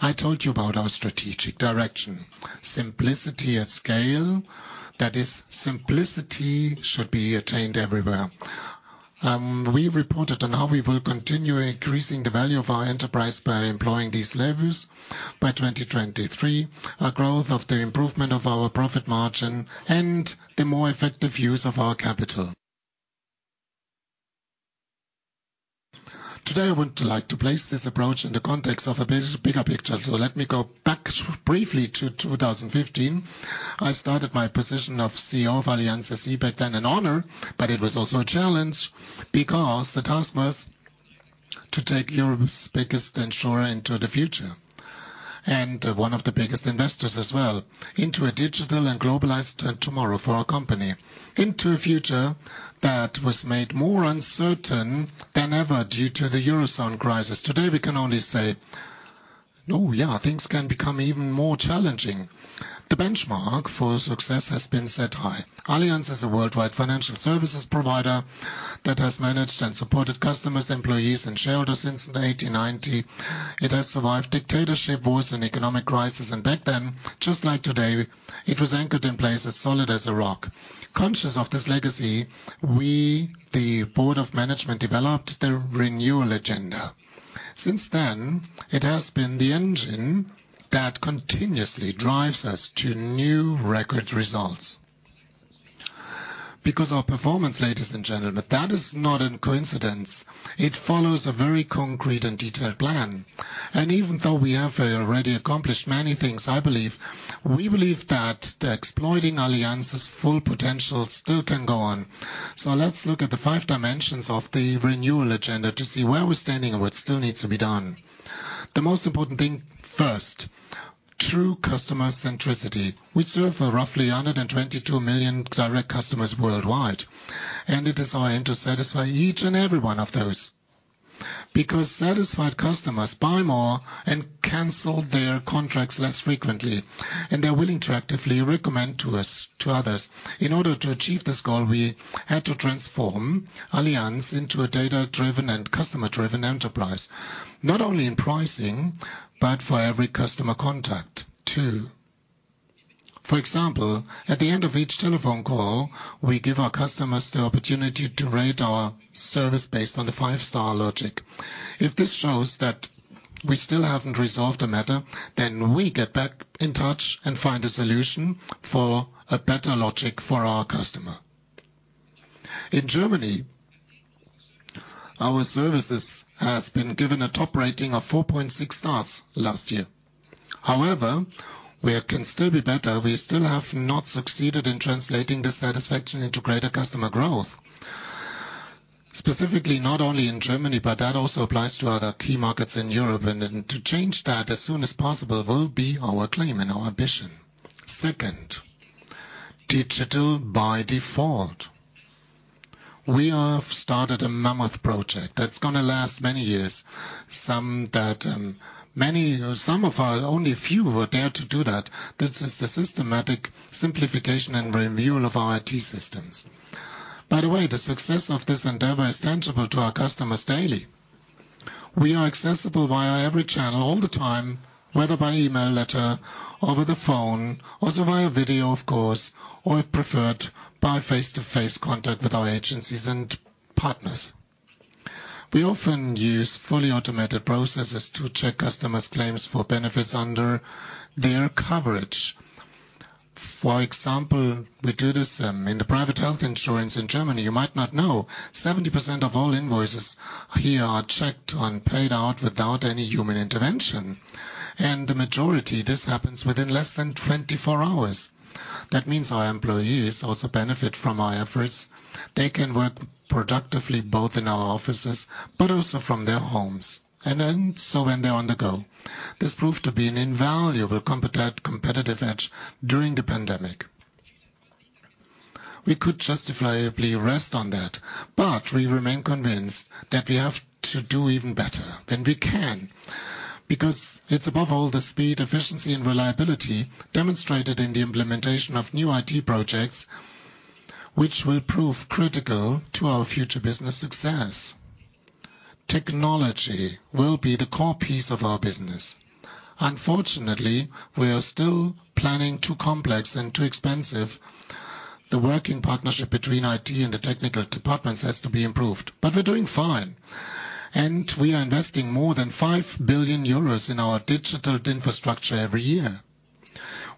I told you about our strategic direction. Simplicity at scale. That is, simplicity should be attained everywhere. We reported on how we will continue increasing the value of our enterprise by employing these levers by 2023. Our growth of the improvement of our profit margin and the more effective use of our capital. Today, I would like to place this approach in the context of a bit bigger picture. Let me go back briefly to 2015. I started my position of CEO of Allianz SE back then, an honor. It was also a challenge because the task was to take Europe's biggest insurer into the future, and one of the biggest investors as well, into a digital and globalized tomorrow for our company. Into a future that was made more uncertain than ever due to the Eurozone crisis. Today, we can only say, oh, yeah, things can become even more challenging. The benchmark for success has been set high. Allianz is a worldwide financial services provider that has managed and supported customers, employees and shareholders since 1890. It has survived dictatorship, wars and economic crisis. Back then, just like today, it was anchored in place as solid as a rock. Conscious of this legacy, we, the board of management, developed the Renewal Agenda. Since then, it has been the engine that continuously drives us to new record results. Our performance, ladies and gentlemen, that is not a coincidence. It follows a very concrete and detailed plan. Even though we have already accomplished many things, I believe, we believe that the exploiting Allianz's full potential still can go on. Let's look at the five dimensions of the Renewal Agenda to see where we're standing and what still needs to be done. The most important thing first, true customer centricity. We serve roughly 122 million direct customers worldwide. It is our aim to satisfy each and every one of those. Satisfied customers buy more and cancel their contracts less frequently, and they're willing to actively recommend to us to others. In order to achieve this goal, we had to transform Allianz into a data-driven and customer-driven enterprise, not only in pricing, but for every customer contact too. For example, at the end of each telephone call, we give our customers the opportunity to rate our service based on the five-star logic. If this shows that we still haven't resolved the matter, we get back in touch and find a solution for a better logic for our customer. In Germany, our services has been given a top rating of 4.6 stars last year. However, we can still be better. We still have not succeeded in translating this satisfaction into greater customer growth. Specifically, not only in Germany, but that also applies to other key markets in Europe. To change that as soon as possible will be our claim and our ambition. Second. Digital by default. We have started a mammoth project that's gonna last many years. Some that, some of our only few who dare to do that. This is the systematic simplification and renewal of our IT systems. By the way, the success of this endeavor is tangible to our customers daily. We are accessible via every channel all the time, whether by email, letter, over the phone, also via video, of course, or if preferred, by face-to-face contact with our agencies and partners. We often use fully automated processes to check customers claims for benefits under their coverage. For example, we do this in the private health insurance in Germany. You might not know, 70% of all invoices here are checked and paid out without any human intervention. The majority, this happens within less than 24 hours. That means our employees also benefit from our efforts. They can work productively both in our offices, but also from their homes. When they're on the go. This proved to be an invaluable competitive edge during the pandemic. We could justifiably rest on that, we remain convinced that we have to do even better, and we can. It's above all the speed, efficiency, and reliability demonstrated in the implementation of new IT projects, which will prove critical to our future business success. Technology will be the core piece of our business. Unfortunately, we are still planning too complex and too expensive. The working partnership between IT and the technical departments has to be improved. We're doing fine. We are investing more than 5 billion euros in our digital infrastructure every year.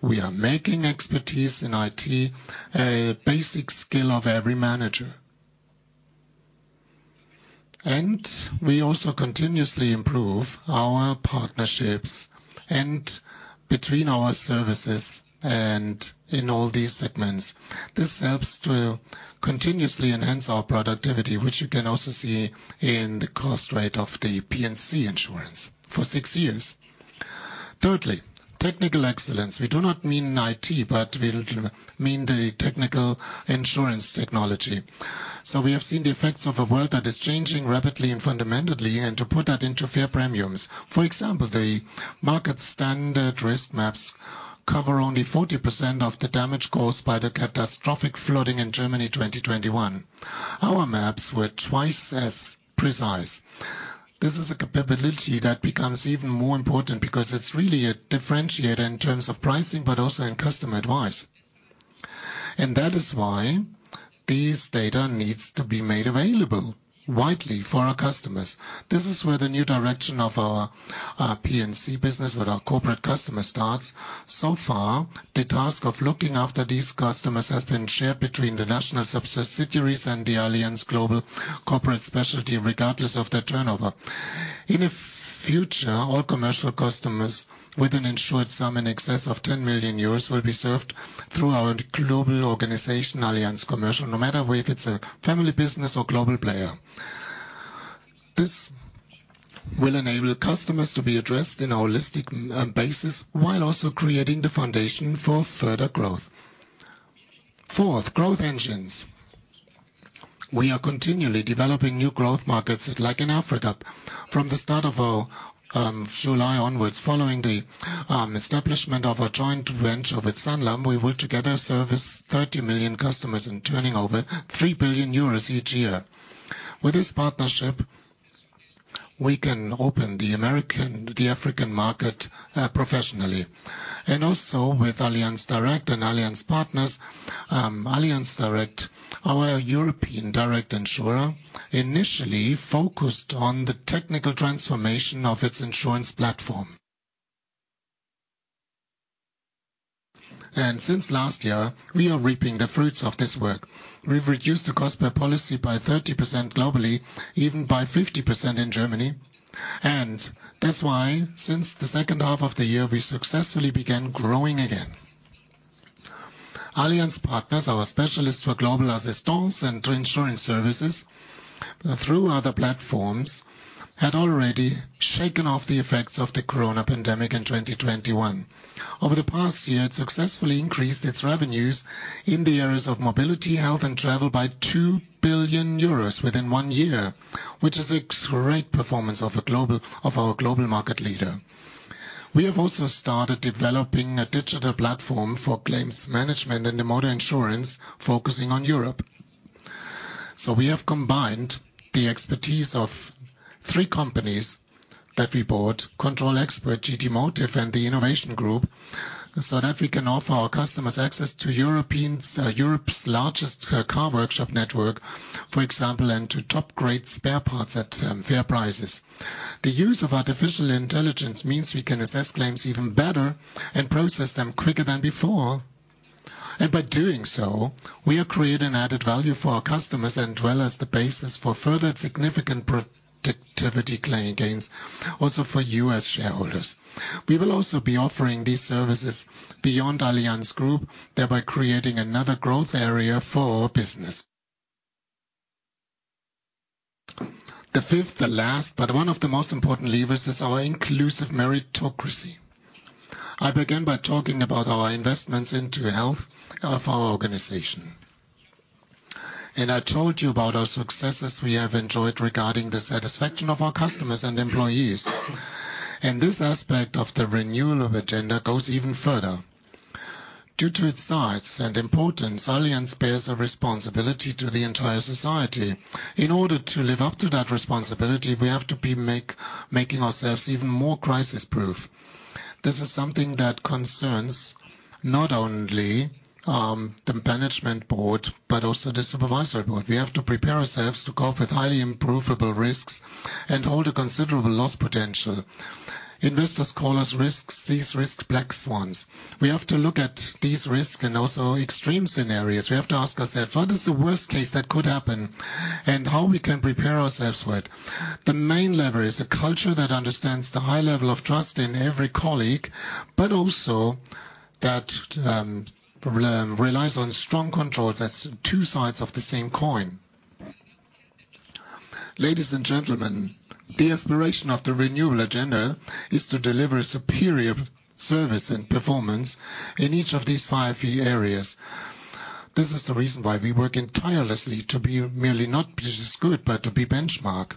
We are making expertise in IT a basic skill of every manager. We also continuously improve our partnerships and between our services and in all these segments. This helps to continuously enhance our productivity, which you can also see in the cost rate of the P&C insurance for six years. Thirdly, technical excellence. We do not mean IT, but we mean the technical insurance technology. We have seen the effects of a world that is changing rapidly and fundamentally, and to put that into fair premiums. For example, the market standard risk maps cover only 40% of the damage caused by the catastrophic flooding in Germany, 2021. Our maps were twice as precise. This is a capability that becomes even more important because it's really a differentiator in terms of pricing, but also in customer advice. That is why this data needs to be made available widely for our customers. This is where the new direction of our P&C business with our corporate customer starts. Far, the task of looking after these customers has been shared between the national subsidiaries and the Allianz Global Corporate & Specialty, regardless of their turnover. In the future, all commercial customers with an insured sum in excess of 10 million euros will be served through our global organization, Allianz Commercial, no matter if it's a family business or global player. This will enable customers to be addressed in a holistic basis while also creating the foundation for further growth. Fourth, growth engines. We are continually developing new growth markets, like in Africa. From the start of July onwards, following the establishment of a joint venture with Sanlam, we will together service 30 million customers and turning over 3 billion euros each year. With this partnership, we can open the African market professionally. With Allianz Direct and Allianz Partners, Allianz Direct, our European direct insurer, initially focused on the technical transformation of its insurance platform. Since last year, we are reaping the fruits of this work. We've reduced the cost per policy by 30% globally, even by 50% in Germany. That's why since the second half of the year, we successfully began growing again. Allianz Partners, our specialists for global assistance and reinsurance services through other platforms, had already shaken off the effects of the corona pandemic in 2021. Over the past year, it successfully increased its revenues in the areas of mobility, health, and travel by 2 billion euros within one year, which is a great performance of our global market leader. We have also started developing a digital platform for claims management and motor insurance, focusing on Europe. We have combined the expertise of three companies that we bought, ControlExpert, GT Motive, and the Innovation Group, so that we can offer our customers access to Europeans, Europe's largest car workshop network, for example, and to top-grade spare parts at fair prices. The use of artificial intelligence means we can assess claims even better and process them quicker than before. By doing so, we create an added value for our customers and dwell as the basis for further significant productivity claim gains, also for you as shareholders. We will also be offering these services beyond Allianz Group, thereby creating another growth area for our business. The fifth, the last, but one of the most important levers is our Inclusive Meritocracy. I began by talking about our investments into health of our organization. I told you about our successes we have enjoyed regarding the satisfaction of our customers and employees. This aspect of the Renewal Agenda goes even further. Due to its size and importance, Allianz bears a responsibility to the entire society. In order to live up to that responsibility, we have to be making ourselves even more crisis proof. This is something that concerns not only the management board, but also the supervisory board. We have to prepare ourselves to cope with highly improbable risks and hold a considerable loss potential. Investors call us risks, these risks black swans. We have to look at these risks and also extreme scenarios. We have to ask ourselves, what is the worst case that could happen and how we can prepare ourselves for it? The main lever is a culture that understands the high level of trust in every colleague, but also that relies on strong controls as two sides of the same coin. Ladies and gentlemen, the inspiration of the Renewal Agenda is to deliver superior service and performance in each of these five key areas. This is the reason why we work tirelessly to be merely not just good, but to be benchmark.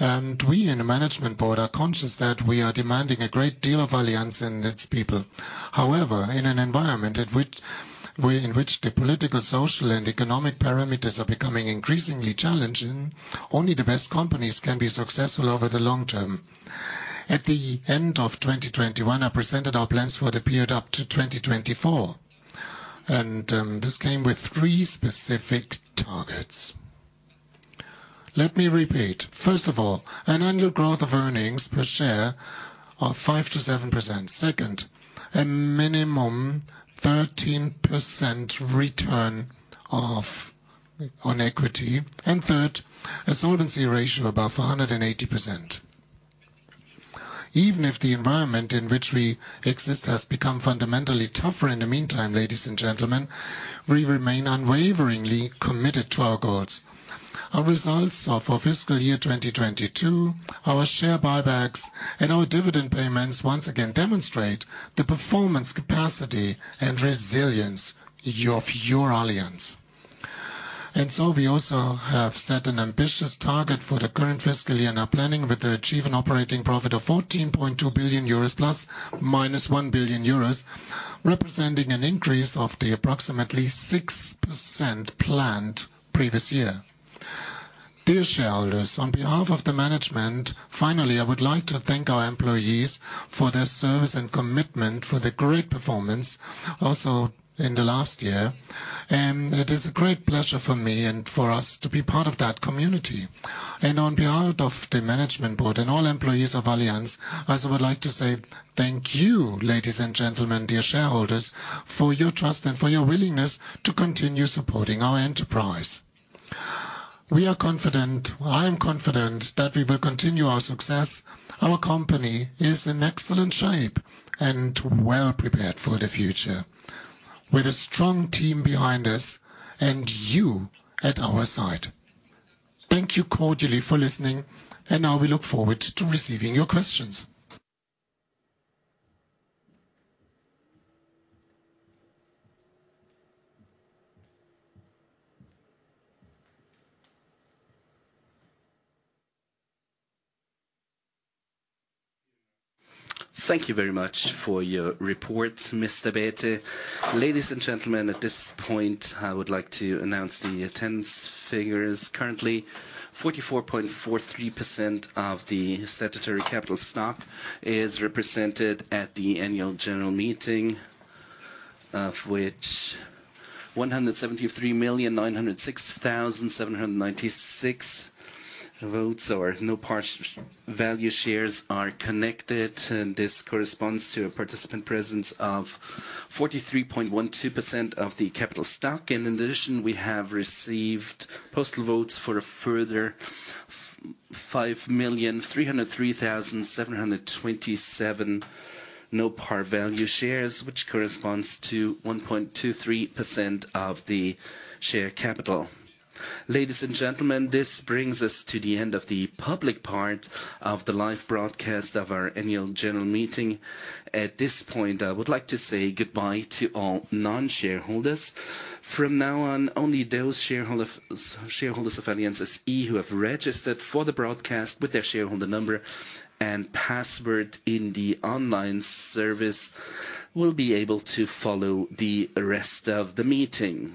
We in the management board are conscious that we are demanding a great deal of Allianz and its people. However, in an environment in which the political, social, and economic parameters are becoming increasingly challenging, only the best companies can be successful over the long term. At the end of 2021, I presented our plans for the period up to 2024. This came with three specific targets. Let me repeat. First of all, an annual growth of earnings per share of 5%-7%. Second, a minimum 13% return on equity. Third, a solvency ratio above 180%. Even if the environment in which we exist has become fundamentally tougher in the meantime, ladies and gentlemen, we remain unwaveringly committed to our goals. Our results for fiscal year 2022, our share buybacks and our dividend payments once again demonstrate the performance, capacity, and resilience of your Allianz. We also have set an ambitious target for the current fiscal year, and are planning to achieve an operating profit of 14.2 billion euros ± 1 billion euros, representing an increase of the approximately 6% planned previous year. Dear shareholders, on behalf of the management, finally, I would like to thank our employees for their service and commitment for the great performance also in the last year. It is a great pleasure for me and for us to be part of that community. On behalf of the management board and all employees of Allianz, I also would like to say thank you, ladies and gentlemen, dear shareholders, for your trust and for your willingness to continue supporting our enterprise. We are confident, I am confident that we will continue our success. Our company is in excellent shape and well prepared for the future with a strong team behind us and you at our side. Thank you cordially for listening, and now we look forward to receiving your questions. Thank you very much for your report, Mr. Bäte. Ladies and gentlemen, at this point, I would like to announce the attendance figures. Currently, 44.43% of the statutory capital stock is represented at the annual general meeting, of which 173,906,796 votes or no par value shares are connected. This corresponds to a participant presence of 43.12% of the capital stock. In addition, we have received postal votes for a further 5,303,727 no par value shares, which corresponds to 1.23% of the share capital. Ladies and gentlemen, this brings us to the end of the public part of the live broadcast of our annual general meeting. At this point, I would like to say goodbye to all non-shareholders. From now on, only those shareholders of Allianz SE who have registered for the broadcast with their shareholder number and password in the online service will be able to follow the rest of the meeting.